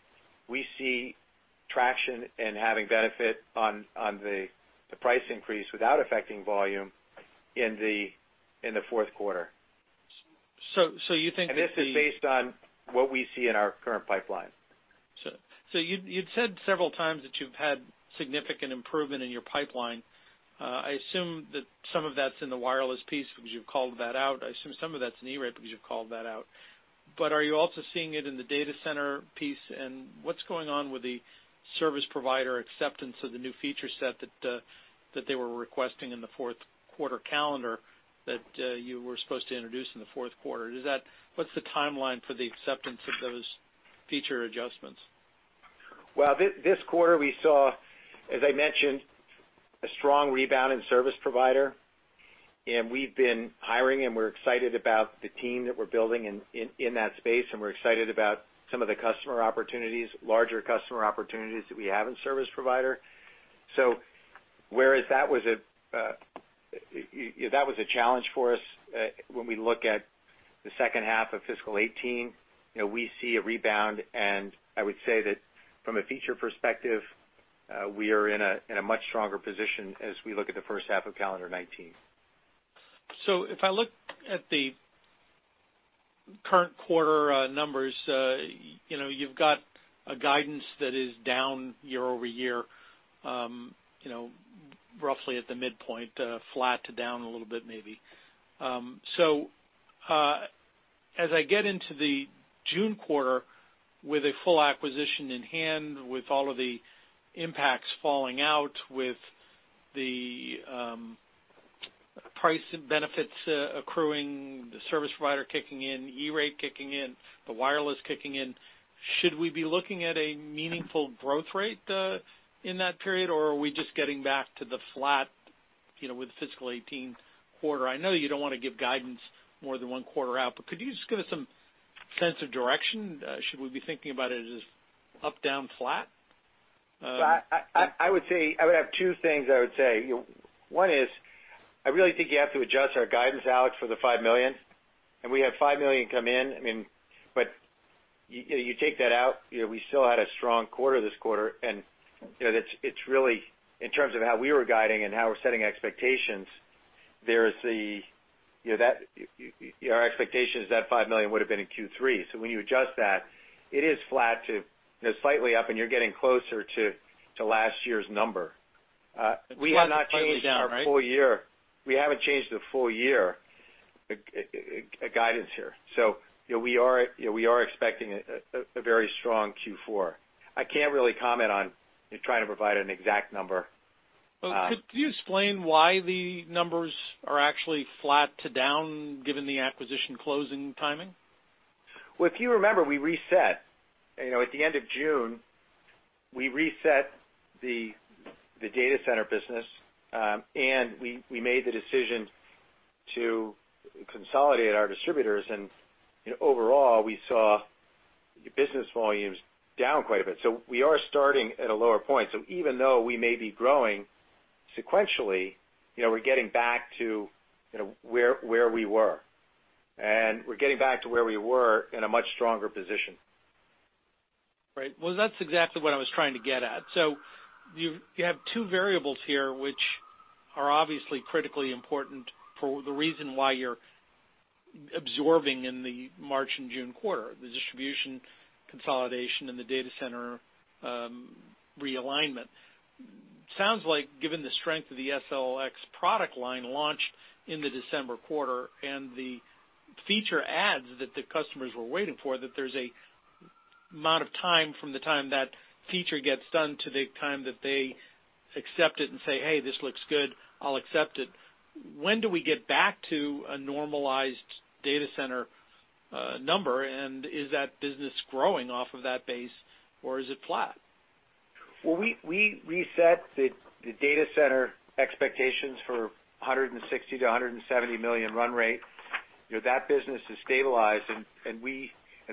We see traction in having benefit on the price increase without affecting volume in the fourth quarter. You think that... This is based on what we see in our current pipeline. You'd said several times that you've had significant improvement in your pipeline. I assume that some of that's in the wireless piece because you've called that out. I assume some of that's in E-Rate because you've called that out. Are you also seeing it in the data center piece, and what's going on with the service provider acceptance of the new feature set that they were requesting in the fourth quarter calendar that you were supposed to introduce in the fourth quarter? What's the timeline for the acceptance of those feature adjustments? Well, this quarter we saw, as I mentioned, a strong rebound in service provider, and we've been hiring, and we're excited about the team that we're building in that space, and we're excited about some of the customer opportunities, larger customer opportunities that we have in service provider. Whereas that was a challenge for us, when we look at the second half of fiscal 2018, we see a rebound, and I would say that from a feature perspective, we are in a much stronger position as we look at the first half of calendar 2019. If I look at the current quarter numbers, you've got a guidance that is down year-over-year, roughly at the midpoint, flat to down a little bit maybe. As I get into the June quarter with a full acquisition in hand, with all of the impacts falling out, with the price benefits accruing, the service provider kicking in, E-Rate kicking in, the wireless kicking in. Should we be looking at a meaningful growth rate in that period, or are we just getting back to the flat, with the fiscal 2018 quarter? I know you don't want to give guidance more than one quarter out, but could you just give us some sense of direction? Should we be thinking about it as up, down, flat? I would have two things I would say. One is, I really think you have to adjust our guidance, Alex, for the $5 million. We had $5 million come in, but you take that out, we still had a strong quarter this quarter. It's really in terms of how we were guiding and how we're setting expectations, our expectation is that $5 million would've been in Q3. When you adjust that, it is flat to slightly up and you're getting closer to last year's number. It's slightly down, right? We haven't changed the full year guidance here. We are expecting a very strong Q4. I can't really comment on trying to provide an exact number. Could you explain why the numbers are actually flat to down given the acquisition closing timing? Well, if you remember, we reset. At the end of June, we reset the data center business, and we made the decision to consolidate our distributors. Overall, we saw business volumes down quite a bit. We are starting at a lower point. Even though we may be growing sequentially, we're getting back to where we were, and we're getting back to where we were in a much stronger position. Right. Well, that's exactly what I was trying to get at. You have two variables here, which are obviously critically important for the reason why you're absorbing in the March and June quarter, the distribution consolidation and the data center realignment. Sounds like given the strength of the SLX product line launch in the December quarter, and the feature adds that the customers were waiting for, that there's a amount of time from the time that feature gets done to the time that they accept it and say, "Hey, this looks good. I'll accept it." When do we get back to a normalized data center number, and is that business growing off of that base, or is it flat? Well, we reset the data center expectations for $160 million-$170 million run rate. That business has stabilized, and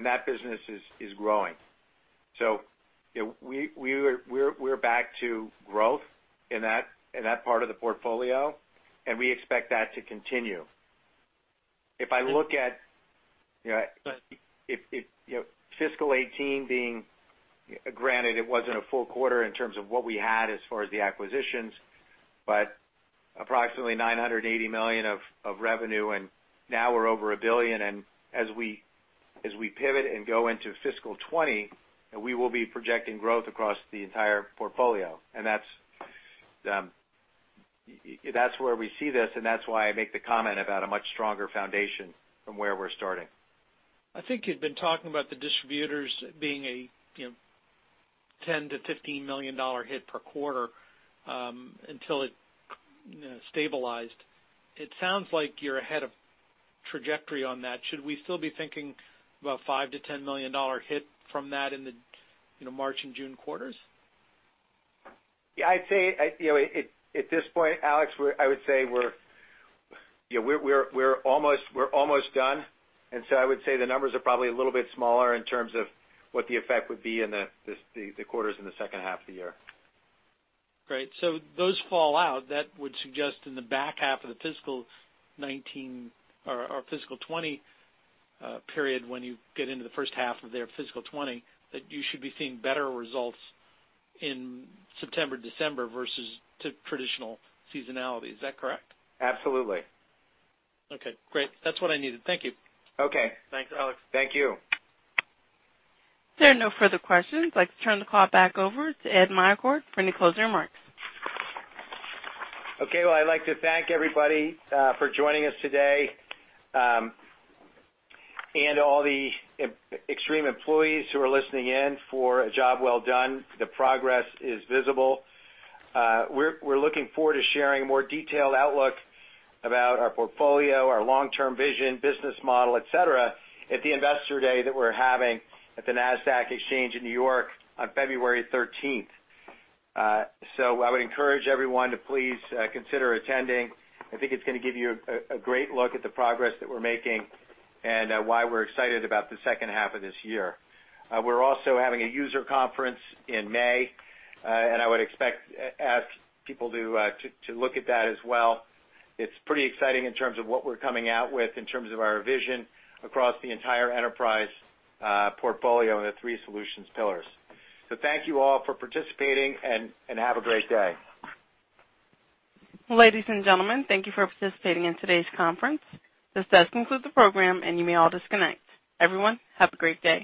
that business is growing. We're back to growth in that part of the portfolio, and we expect that to continue. If I look at fiscal 2018 being, granted, it wasn't a full quarter in terms of what we had as far as the acquisitions, but approximately $980 million of revenue, and now we're over $1 billion. As we pivot and go into fiscal 2020, we will be projecting growth across the entire portfolio. That's where we see this, and that's why I make the comment about a much stronger foundation from where we're starting. I think you'd been talking about the distributors being a $10 million-$15 million hit per quarter, until it stabilized. It sounds like you're ahead of trajectory on that. Should we still be thinking about a $5 million-$10 million hit from that in the March and June quarters? Yeah, at this point, Alex, I would say we're almost done. I would say the numbers are probably a little bit smaller in terms of what the effect would be in the quarters in the second half of the year. Great. Those fall out, that would suggest in the back half of the fiscal 2019 or fiscal 2020 period, when you get into the first half of their fiscal 2020, that you should be seeing better results in September, December versus to traditional seasonality. Is that correct? Absolutely. Okay, great. That's what I needed. Thank you. Okay. Thanks Ed. Thank you. There are no further questions. I'd like to turn the call back over to Ed Meyercord for any closing remarks. Okay. Well, I'd like to thank everybody for joining us today, and all the Extreme employees who are listening in for a job well done. The progress is visible. We're looking forward to sharing a more detailed outlook about our portfolio, our long-term vision, business model, et cetera, at the investor day that we're having at the Nasdaq Exchange in New York on February 13th. I would encourage everyone to please consider attending. I think it's going to give you a great look at the progress that we're making and why we're excited about the second half of this year. We're also having a user conference in May, and I would ask people to look at that as well. It's pretty exciting in terms of what we're coming out with in terms of our vision across the entire enterprise portfolio and the three solutions pillars. Thank you all for participating, and have a great day. Ladies and gentlemen, thank you for participating in today's conference. This does conclude the program, and you may all disconnect. Everyone, have a great day.